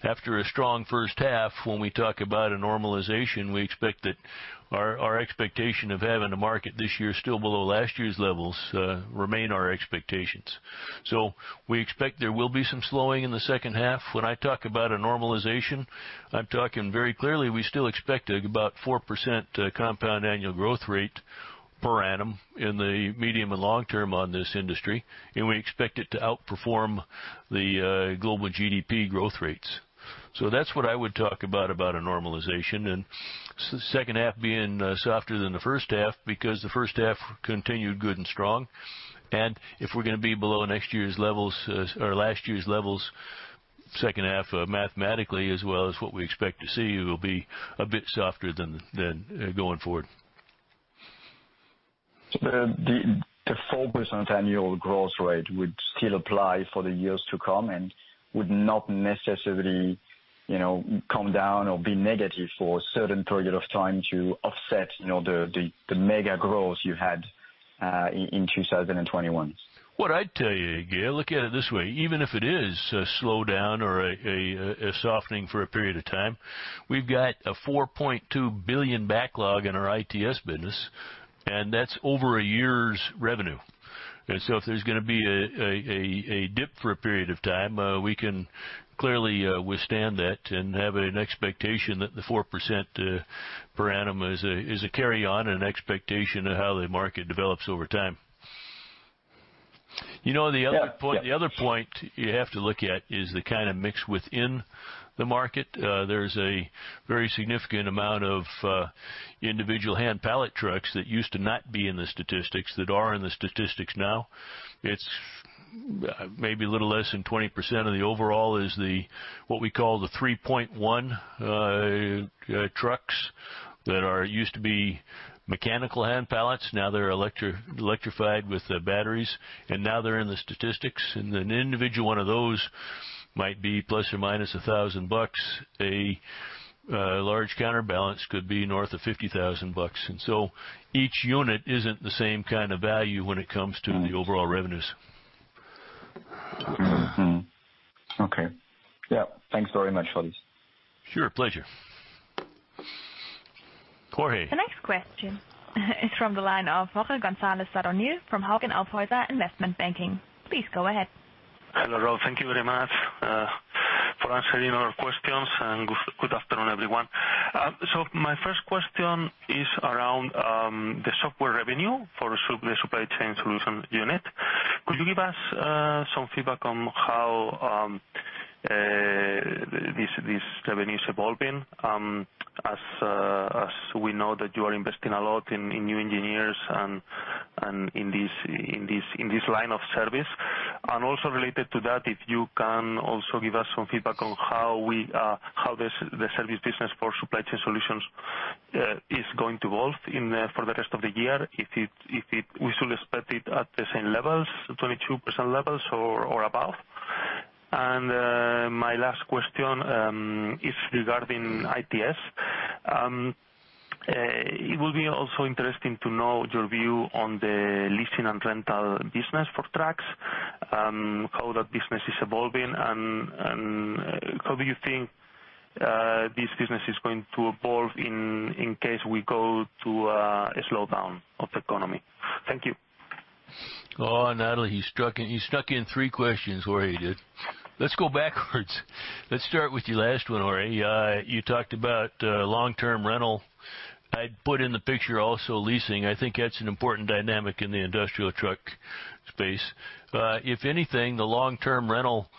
Speaker 1: After a strong first half, when we talk about a normalization, we expect that our expectation of having a market this year still below last year's levels remain our expectations. We expect there will be some slowing in the second half. When I talk about a normalization, I'm talking very clearly. We still expect about 4% compound annual growth rate per annum in the medium and long term on this industry, and we expect it to outperform the global GDP growth rates. That's what I would talk about a normalization. Second half being softer than the first half, because the first half continued good and strong. If we're gonna be below next year's levels, or last year's levels, second half, mathematically, as well as what we expect to see, will be a bit softer than going forward.
Speaker 8: The 4% annual growth rate would still apply for the years to come and would not necessarily, you know, come down or be negative for a certain period of time to offset, you know, the mega growth you had in 2021.
Speaker 1: What I'd tell you, Gael, look at it this way. Even if it is a slowdown or a softening for a period of time, we've got a 4.2 billion backlog in our ITS business, and that's over a year's revenue. If there's gonna be a dip for a period of time, we can clearly withstand that and have an expectation that the 4% per annum is a carry on and an expectation of how the market develops over time. You know, the other point-
Speaker 8: Yeah.
Speaker 1: The other point you have to look at is the kind of mix within the market. There's a very significant amount of individual hand pallet trucks that used to not be in the statistics that are in the statistics now. It's maybe a little less than 20% of the overall is the what we call the 3.1 trucks that used to be mechanical hand pallets. Now they're electrified with batteries, and now they're in the statistics. An individual one of those might be ±$1,000. A large counterbalance could be north of $50,000. Each unit isn't the same kind of value when it comes to the overall revenues.
Speaker 8: Okay. Yeah. Thanks very much for this.
Speaker 1: Sure. Pleasure. Jorge.
Speaker 2: The next question is from the line of Jorge González Sadornil from Hauck & Aufhäuser Investment Banking. Please go ahead.
Speaker 9: Hello. Thank you very much for answering our questions. Good afternoon, everyone. My first question is around the software revenue for the Supply Chain Solutions unit. Could you give us some feedback on how This revenues evolving, as we know that you are investing a lot in new engineers and in this line of service. Also related to that, if you can also give us some feedback on how the service business for Supply Chain Solutions is going to evolve for the rest of the year. We still expect it at the same levels, 22% levels or above. My last question is regarding ITS. It will also be interesting to know your view on the leasing and rental business for trucks, how that business is evolving, and how do you think this business is going to evolve in case we go to a slowdown of the economy? Thank you.
Speaker 1: Oh, Natalie, he struck in, he snuck in three questions, Jorge did. Let's go backwards. Let's start with your last one, Jorge. You talked about long-term rental. I'd put in the picture also leasing. I think that's an important dynamic in the industrial truck space. If anything, the long-term rental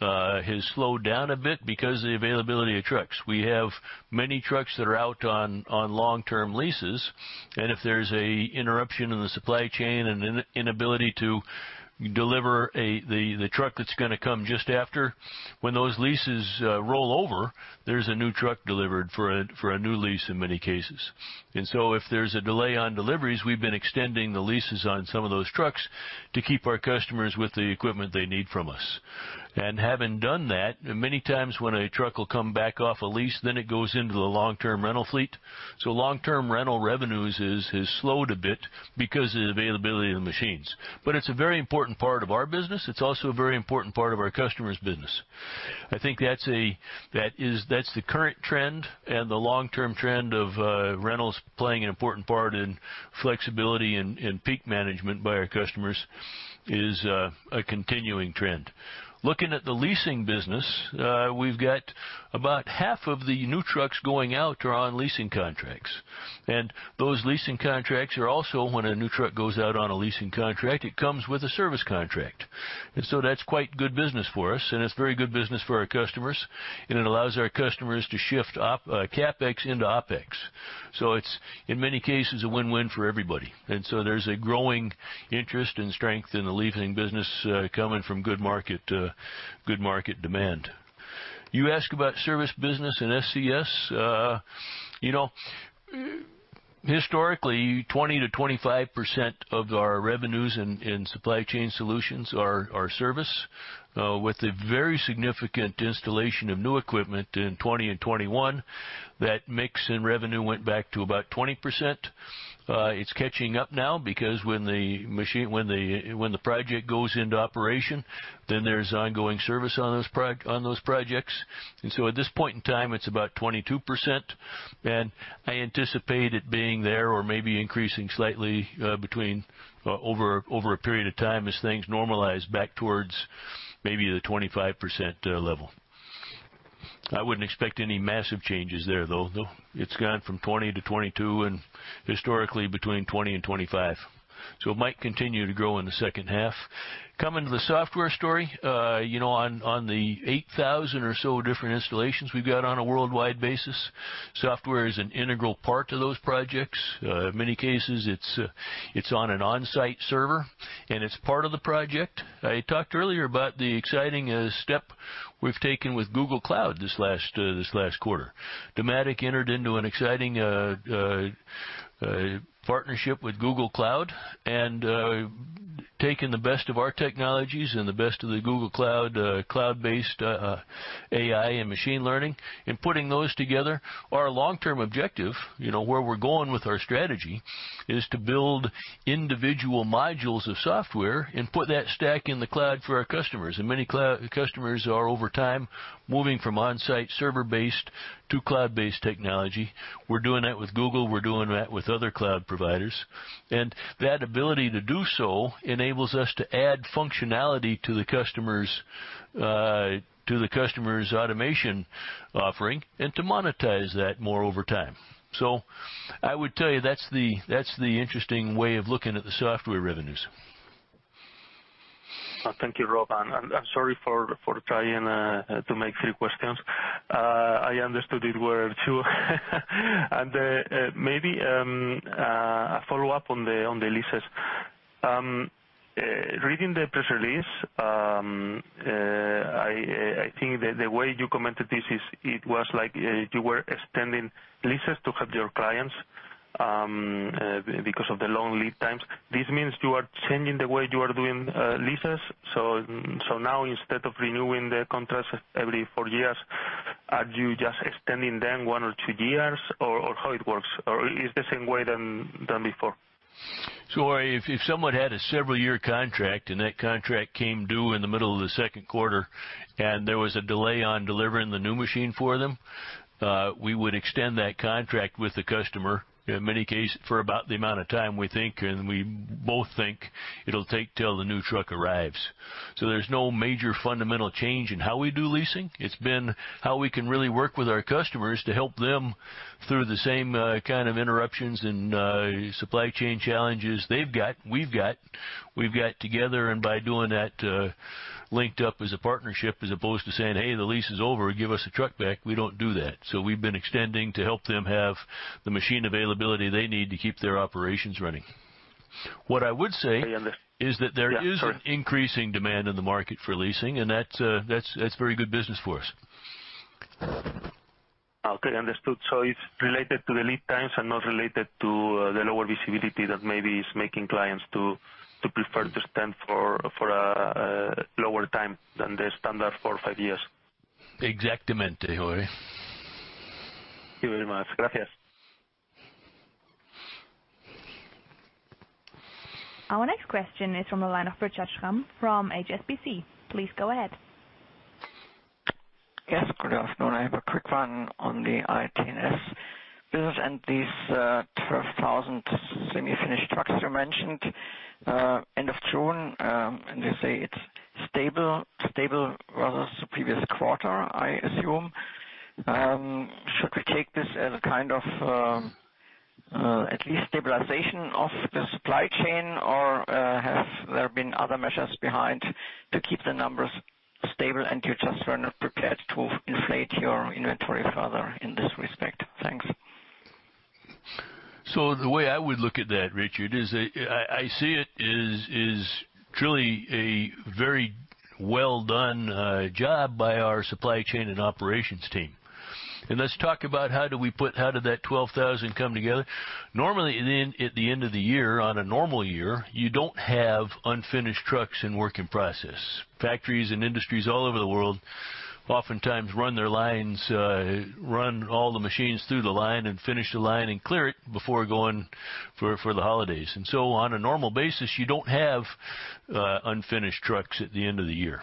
Speaker 1: has slowed down a bit because of the availability of trucks. We have many trucks that are out on long-term leases, and if there's an interruption in the supply chain and inability to deliver the truck that's gonna come just after, when those leases roll over, there's a new truck delivered for a new lease in many cases. If there's a delay on deliveries, we've been extending the leases on some of those trucks to keep our customers with the equipment they need from us. Having done that, many times when a truck will come back off a lease, then it goes into the long-term rental fleet. Long-term rental revenues is slowed a bit because of the availability of the machines. It's a very important part of our business. It's also a very important part of our customers' business. I think that's the current trend and the long-term trend of rentals playing an important part in flexibility and peak management by our customers is a continuing trend. Looking at the leasing business, we've got about half of the new trucks going out are on leasing contracts. Those leasing contracts are also, when a new truck goes out on a leasing contract, it comes with a service contract. That's quite good business for us, and it's very good business for our customers, and it allows our customers to shift CapEx into OpEx. It's, in many cases, a win-win for everybody. There's a growing interest and strength in the leasing business coming from good market demand. You ask about service business and SCS. You know, historically, 20%-25% of our revenues in Supply Chain Solutions are service. With a very significant installation of new equipment in 2020 and 2021, that mix in revenue went back to about 20%. It's catching up now because when the project goes into operation, then there's ongoing service on those projects. At this point in time, it's about 22%, and I anticipate it being there or maybe increasing slightly, between, over a period of time as things normalize back towards maybe the 25% level. I wouldn't expect any massive changes there, though. Though it's gone from 2022 and historically between 2025. So it might continue to grow in the second half. Coming to the software story, you know, on the 8,000 or so different installations we've got on a worldwide basis, software is an integral part of those projects. In many cases, it's on an on-site server, and it's part of the project. I talked earlier about the exciting step we've taken with Google Cloud this last quarter. Dematic entered into an exciting partnership with Google Cloud and taking the best of our technologies and the best of the Google Cloud cloud-based AI and machine learning and putting those together. Our long-term objective, you know, where we're going with our strategy, is to build individual modules of software and put that stack in the cloud for our customers, and many customers are over time moving from on-site server-based to cloud-based technology. We're doing that with Google. We're doing that with other cloud providers. That ability to do so enables us to add functionality to the customer's automation offering and to monetize that more over time. So I would tell you that's the interesting way of looking at the software revenues.
Speaker 9: Thank you, Rob, and I'm sorry for trying to make three questions. I understood it were two. Maybe a follow-up on the leases. Reading the press release, I think the way you commented this is it was like you were extending leases to help your clients because of the long lead times. This means you are changing the way you are doing leases? So now instead of renewing the contracts every four years, are you just extending them one or two years, or how it works? Or it's the same way than before?
Speaker 1: If someone had a several-year contract and that contract came due in the middle of the second quarter and there was a delay on delivering the new machine for them, we would extend that contract with the customer, in many cases, for about the amount of time we think and we both think it'll take till the new truck arrives. There's no major fundamental change in how we do leasing. It's been how we can really work with our customers to help them through the same kind of interruptions and supply chain challenges they've got, we've got. We've got together and by doing that, linked up as a partnership as opposed to saying, "Hey, the lease is over. Give us the truck back." We don't do that. We've been extending to help them have the machine availability they need to keep their operations running. What I would say.
Speaker 9: I under-
Speaker 1: Is that there is-
Speaker 9: Yeah, sorry.
Speaker 1: An increasing demand in the market for leasing, and that's very good business for us.
Speaker 9: Okay, understood. It's related to the lead times and not related to the lower visibility that maybe is making clients to prefer to stand for lower time than the standard four or five years.
Speaker 1: Exactly.
Speaker 9: Thank you very much. Gracias.
Speaker 2: Our next question is from the line of Richard Schramm from HSBC. Please go ahead.
Speaker 10: Yes, good afternoon. I have a quick one on the ITS business and these 12,000 semi-finished trucks you mentioned. End of June, you say it's stable versus the previous quarter, I assume. Should we take this as a kind of at least stabilization of the supply chain? Or, have there been other measures behind to keep the numbers stable and you just were not prepared to inflate your inventory further in this respect? Thanks.
Speaker 1: The way I would look at that, Richard, is I see it as truly a very well done job by our supply chain and operations team. Let's talk about how did that 12,000 come together? Normally, at the end of the year, in a normal year, you don't have unfinished trucks in work in process. Factories and industries all over the world oftentimes run their lines, run all the machines through the line and finish the line and clear it before going for the holidays. On a normal basis, you don't have unfinished trucks at the end of the year.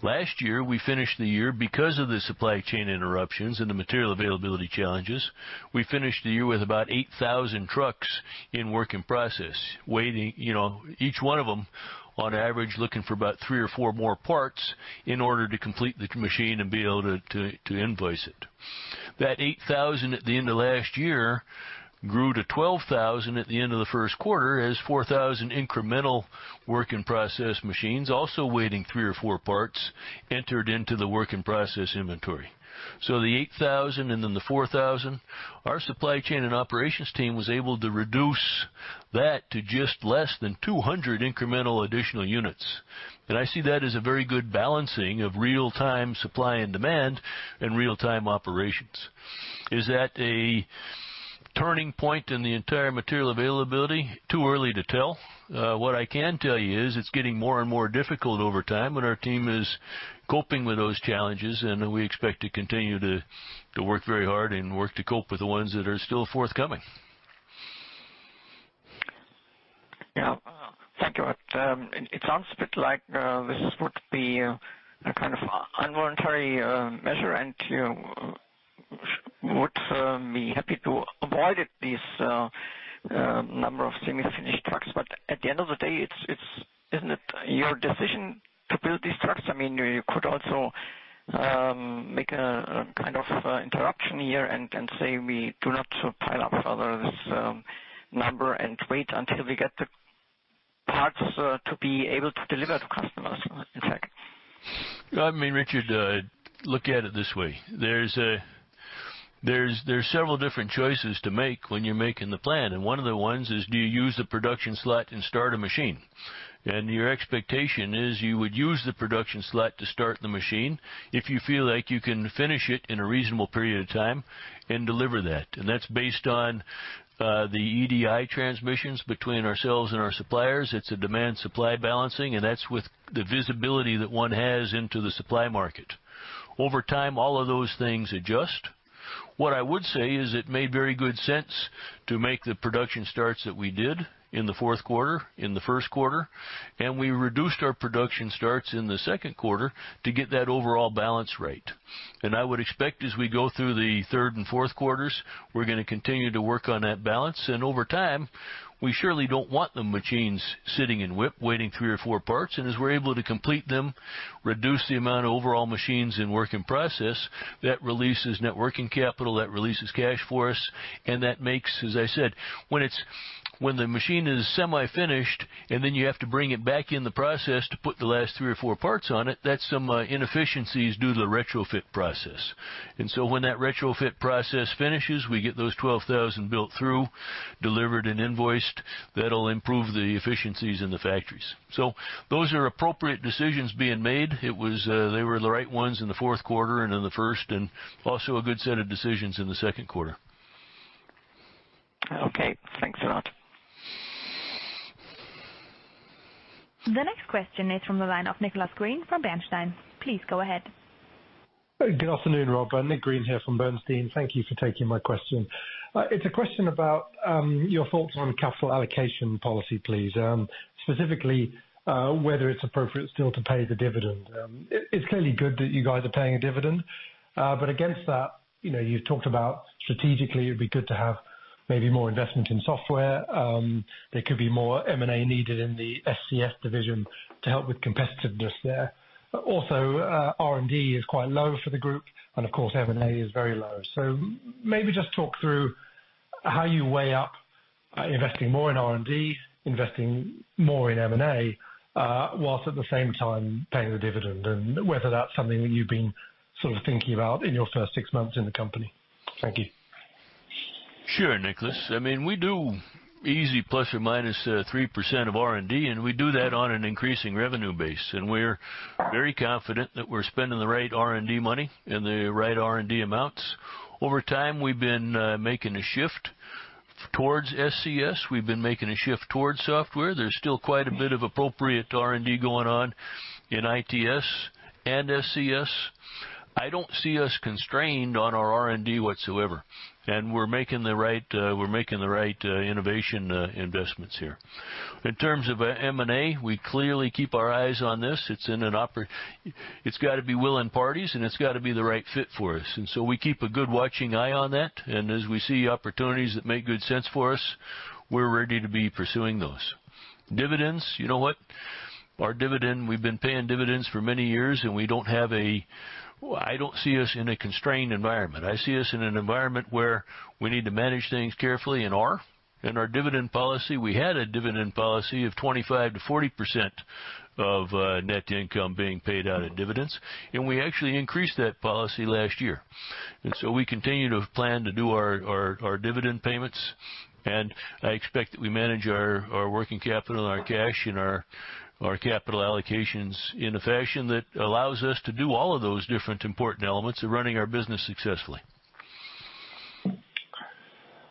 Speaker 1: Last year, we finished the year because of the supply chain interruptions and the material availability challenges. We finished the year with about 8,000 trucks in working process, waiting, you know, each one of them on average, looking for about three or four more parts in order to complete the machine and be able to invoice it. That 8,000 at the end of last year grew to 12,000 at the end of the first quarter as 4,000 incremental work in process machines also waiting three or four parts entered into the work in process inventory. The 8,000 and then the 4,000, our supply chain and operations team was able to reduce that to just less than 200 incremental additional units. I see that as a very good balancing of real time supply and demand and real time operations. Is that a turning point in the entire material availability? Too early to tell. What I can tell you is it's getting more and more difficult over time, but our team is coping with those challenges, and we expect to continue to work very hard and work to cope with the ones that are still forthcoming.
Speaker 10: Yeah. Thank you. It sounds a bit like this would be a kind of involuntary measure and you would be happy to avoid it, this number of semi-finished trucks. But at the end of the day, isn't it your decision to build these trucks? I mean, you could also make a kind of interruption here and say, we do not pile up further this number and wait until we get the parts to be able to deliver to customers. In fact.
Speaker 1: I mean, Richard, look at it this way, there's several different choices to make when you're making the plan, and one of the ones is, do you use the production slot and start a machine? Your expectation is you would use the production slot to start the machine if you feel like you can finish it in a reasonable period of time and deliver that. That's based on the EDI transmissions between ourselves and our suppliers. It's a demand supply balancing, and that's with the visibility that one has into the supply market. Over time, all of those things adjust. What I would say is it made very good sense to make the production starts that we did in the fourth quarter, in the first quarter, and we reduced our production starts in the second quarter to get that overall balance right. I would expect as we go through the third and fourth quarters, we're gonna continue to work on that balance. Over time, we surely don't want the machines sitting in WIP waiting three or four parts. As we're able to complete them, reduce the amount of overall machines in work in process, that releases net working capital, that releases cash for us. That makes, as I said, when the machine is semi-finished, and then you have to bring it back in the process to put the last three or four parts on it. That's some inefficiencies due to the retrofit process. When that retrofit process finishes, we get those 12,000 built through, delivered and invoiced. That'll improve the efficiencies in the factories. Those are appropriate decisions being made. It was they were the right ones in the fourth quarter and in the first, and also a good set of decisions in the second quarter.
Speaker 10: Okay, thanks a lot.
Speaker 2: The next question is from the line of Nicholas Green from Bernstein. Please go ahead.
Speaker 11: Good afternoon, Rob. Nicholas Green here from Bernstein. Thank you for taking my question. It's a question about your thoughts on capital allocation policy, please. Specifically, whether it's appropriate still to pay the dividend. It's clearly good that you guys are paying a dividend, but against that, you know, you've talked about strategically it'd be good to have maybe more investment in software. There could be more M&A needed in the SCS division to help with competitiveness there. Also, R&D is quite low for the group, and of course, M&A is very low. So maybe just talk through how you weigh up investing more in R&D, investing more in M&A, whilst at the same time paying the dividend, and whether that's something that you've been sort of thinking about in your first six months in the company. Thank you.
Speaker 1: Sure, Nicholas. I mean, we do easy plus or minus 3% of R&D, and we do that on an increasing revenue base. We're very confident that we're spending the right R&D money and the right R&D amounts. Over time, we've been making a shift towards SCS. We've been making a shift towards software. There's still quite a bit of appropriate R&D going on in ITS and SCS. I don't see us constrained on our R&D whatsoever. We're making the right innovation investments here. In terms of M&A, we clearly keep our eyes on this. It's gotta be willing parties, and it's gotta be the right fit for us. We keep a good watching eye on that, and as we see opportunities that make good sense for us, we're ready to be pursuing those. Dividends, you know what? Our dividend, we've been paying dividends for many years, and we don't have a. Well, I don't see us in a constrained environment. I see us in an environment where we need to manage things carefully and are. In our dividend policy, we had a dividend policy of 25%-40% of net income being paid out in dividends, and we actually increased that policy last year. We continue to plan to do our dividend payments, and I expect that we manage our working capital and our cash and our capital allocations in a fashion that allows us to do all of those different important elements of running our business successfully.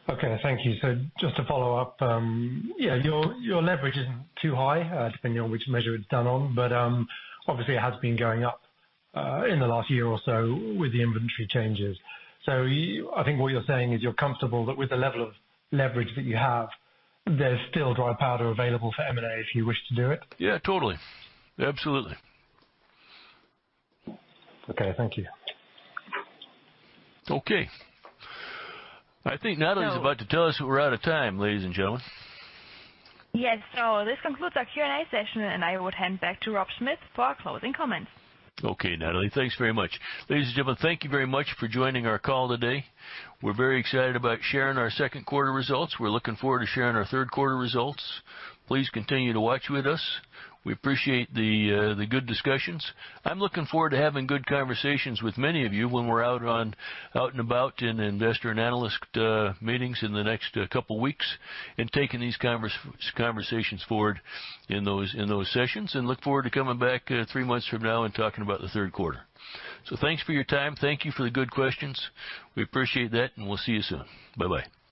Speaker 11: Okay. Thank you. Just to follow up, yeah, your leverage isn't too high, depending on which measure it's done on. Obviously, it has been going up in the last year or so with the inventory changes. I think what you're saying is you're comfortable that with the level of leverage that you have, there's still dry powder available for M&A if you wish to do it?
Speaker 1: Yeah, totally. Absolutely.
Speaker 11: Okay. Thank you.
Speaker 1: Okay. I think Natalie.
Speaker 2: So-
Speaker 1: Is about to tell us we're out of time, ladies and gentlemen.
Speaker 2: Yes. This concludes our Q&A session, and I would hand back to Rob Smith for our closing comments.
Speaker 1: Okay, Natalie. Thanks very much. Ladies and gentlemen, thank you very much for joining our call today. We're very excited about sharing our second quarter results. We're looking forward to sharing our third quarter results. Please continue to watch with us. We appreciate the good discussions. I'm looking forward to having good conversations with many of you when we're out and about in investor and analyst meetings in the next couple weeks and taking these conversations forward in those sessions. Look forward to coming back three months from now and talking about the third quarter. Thanks for your time. Thank you for the good questions. We appreciate that, and we'll see you soon. Bye-bye.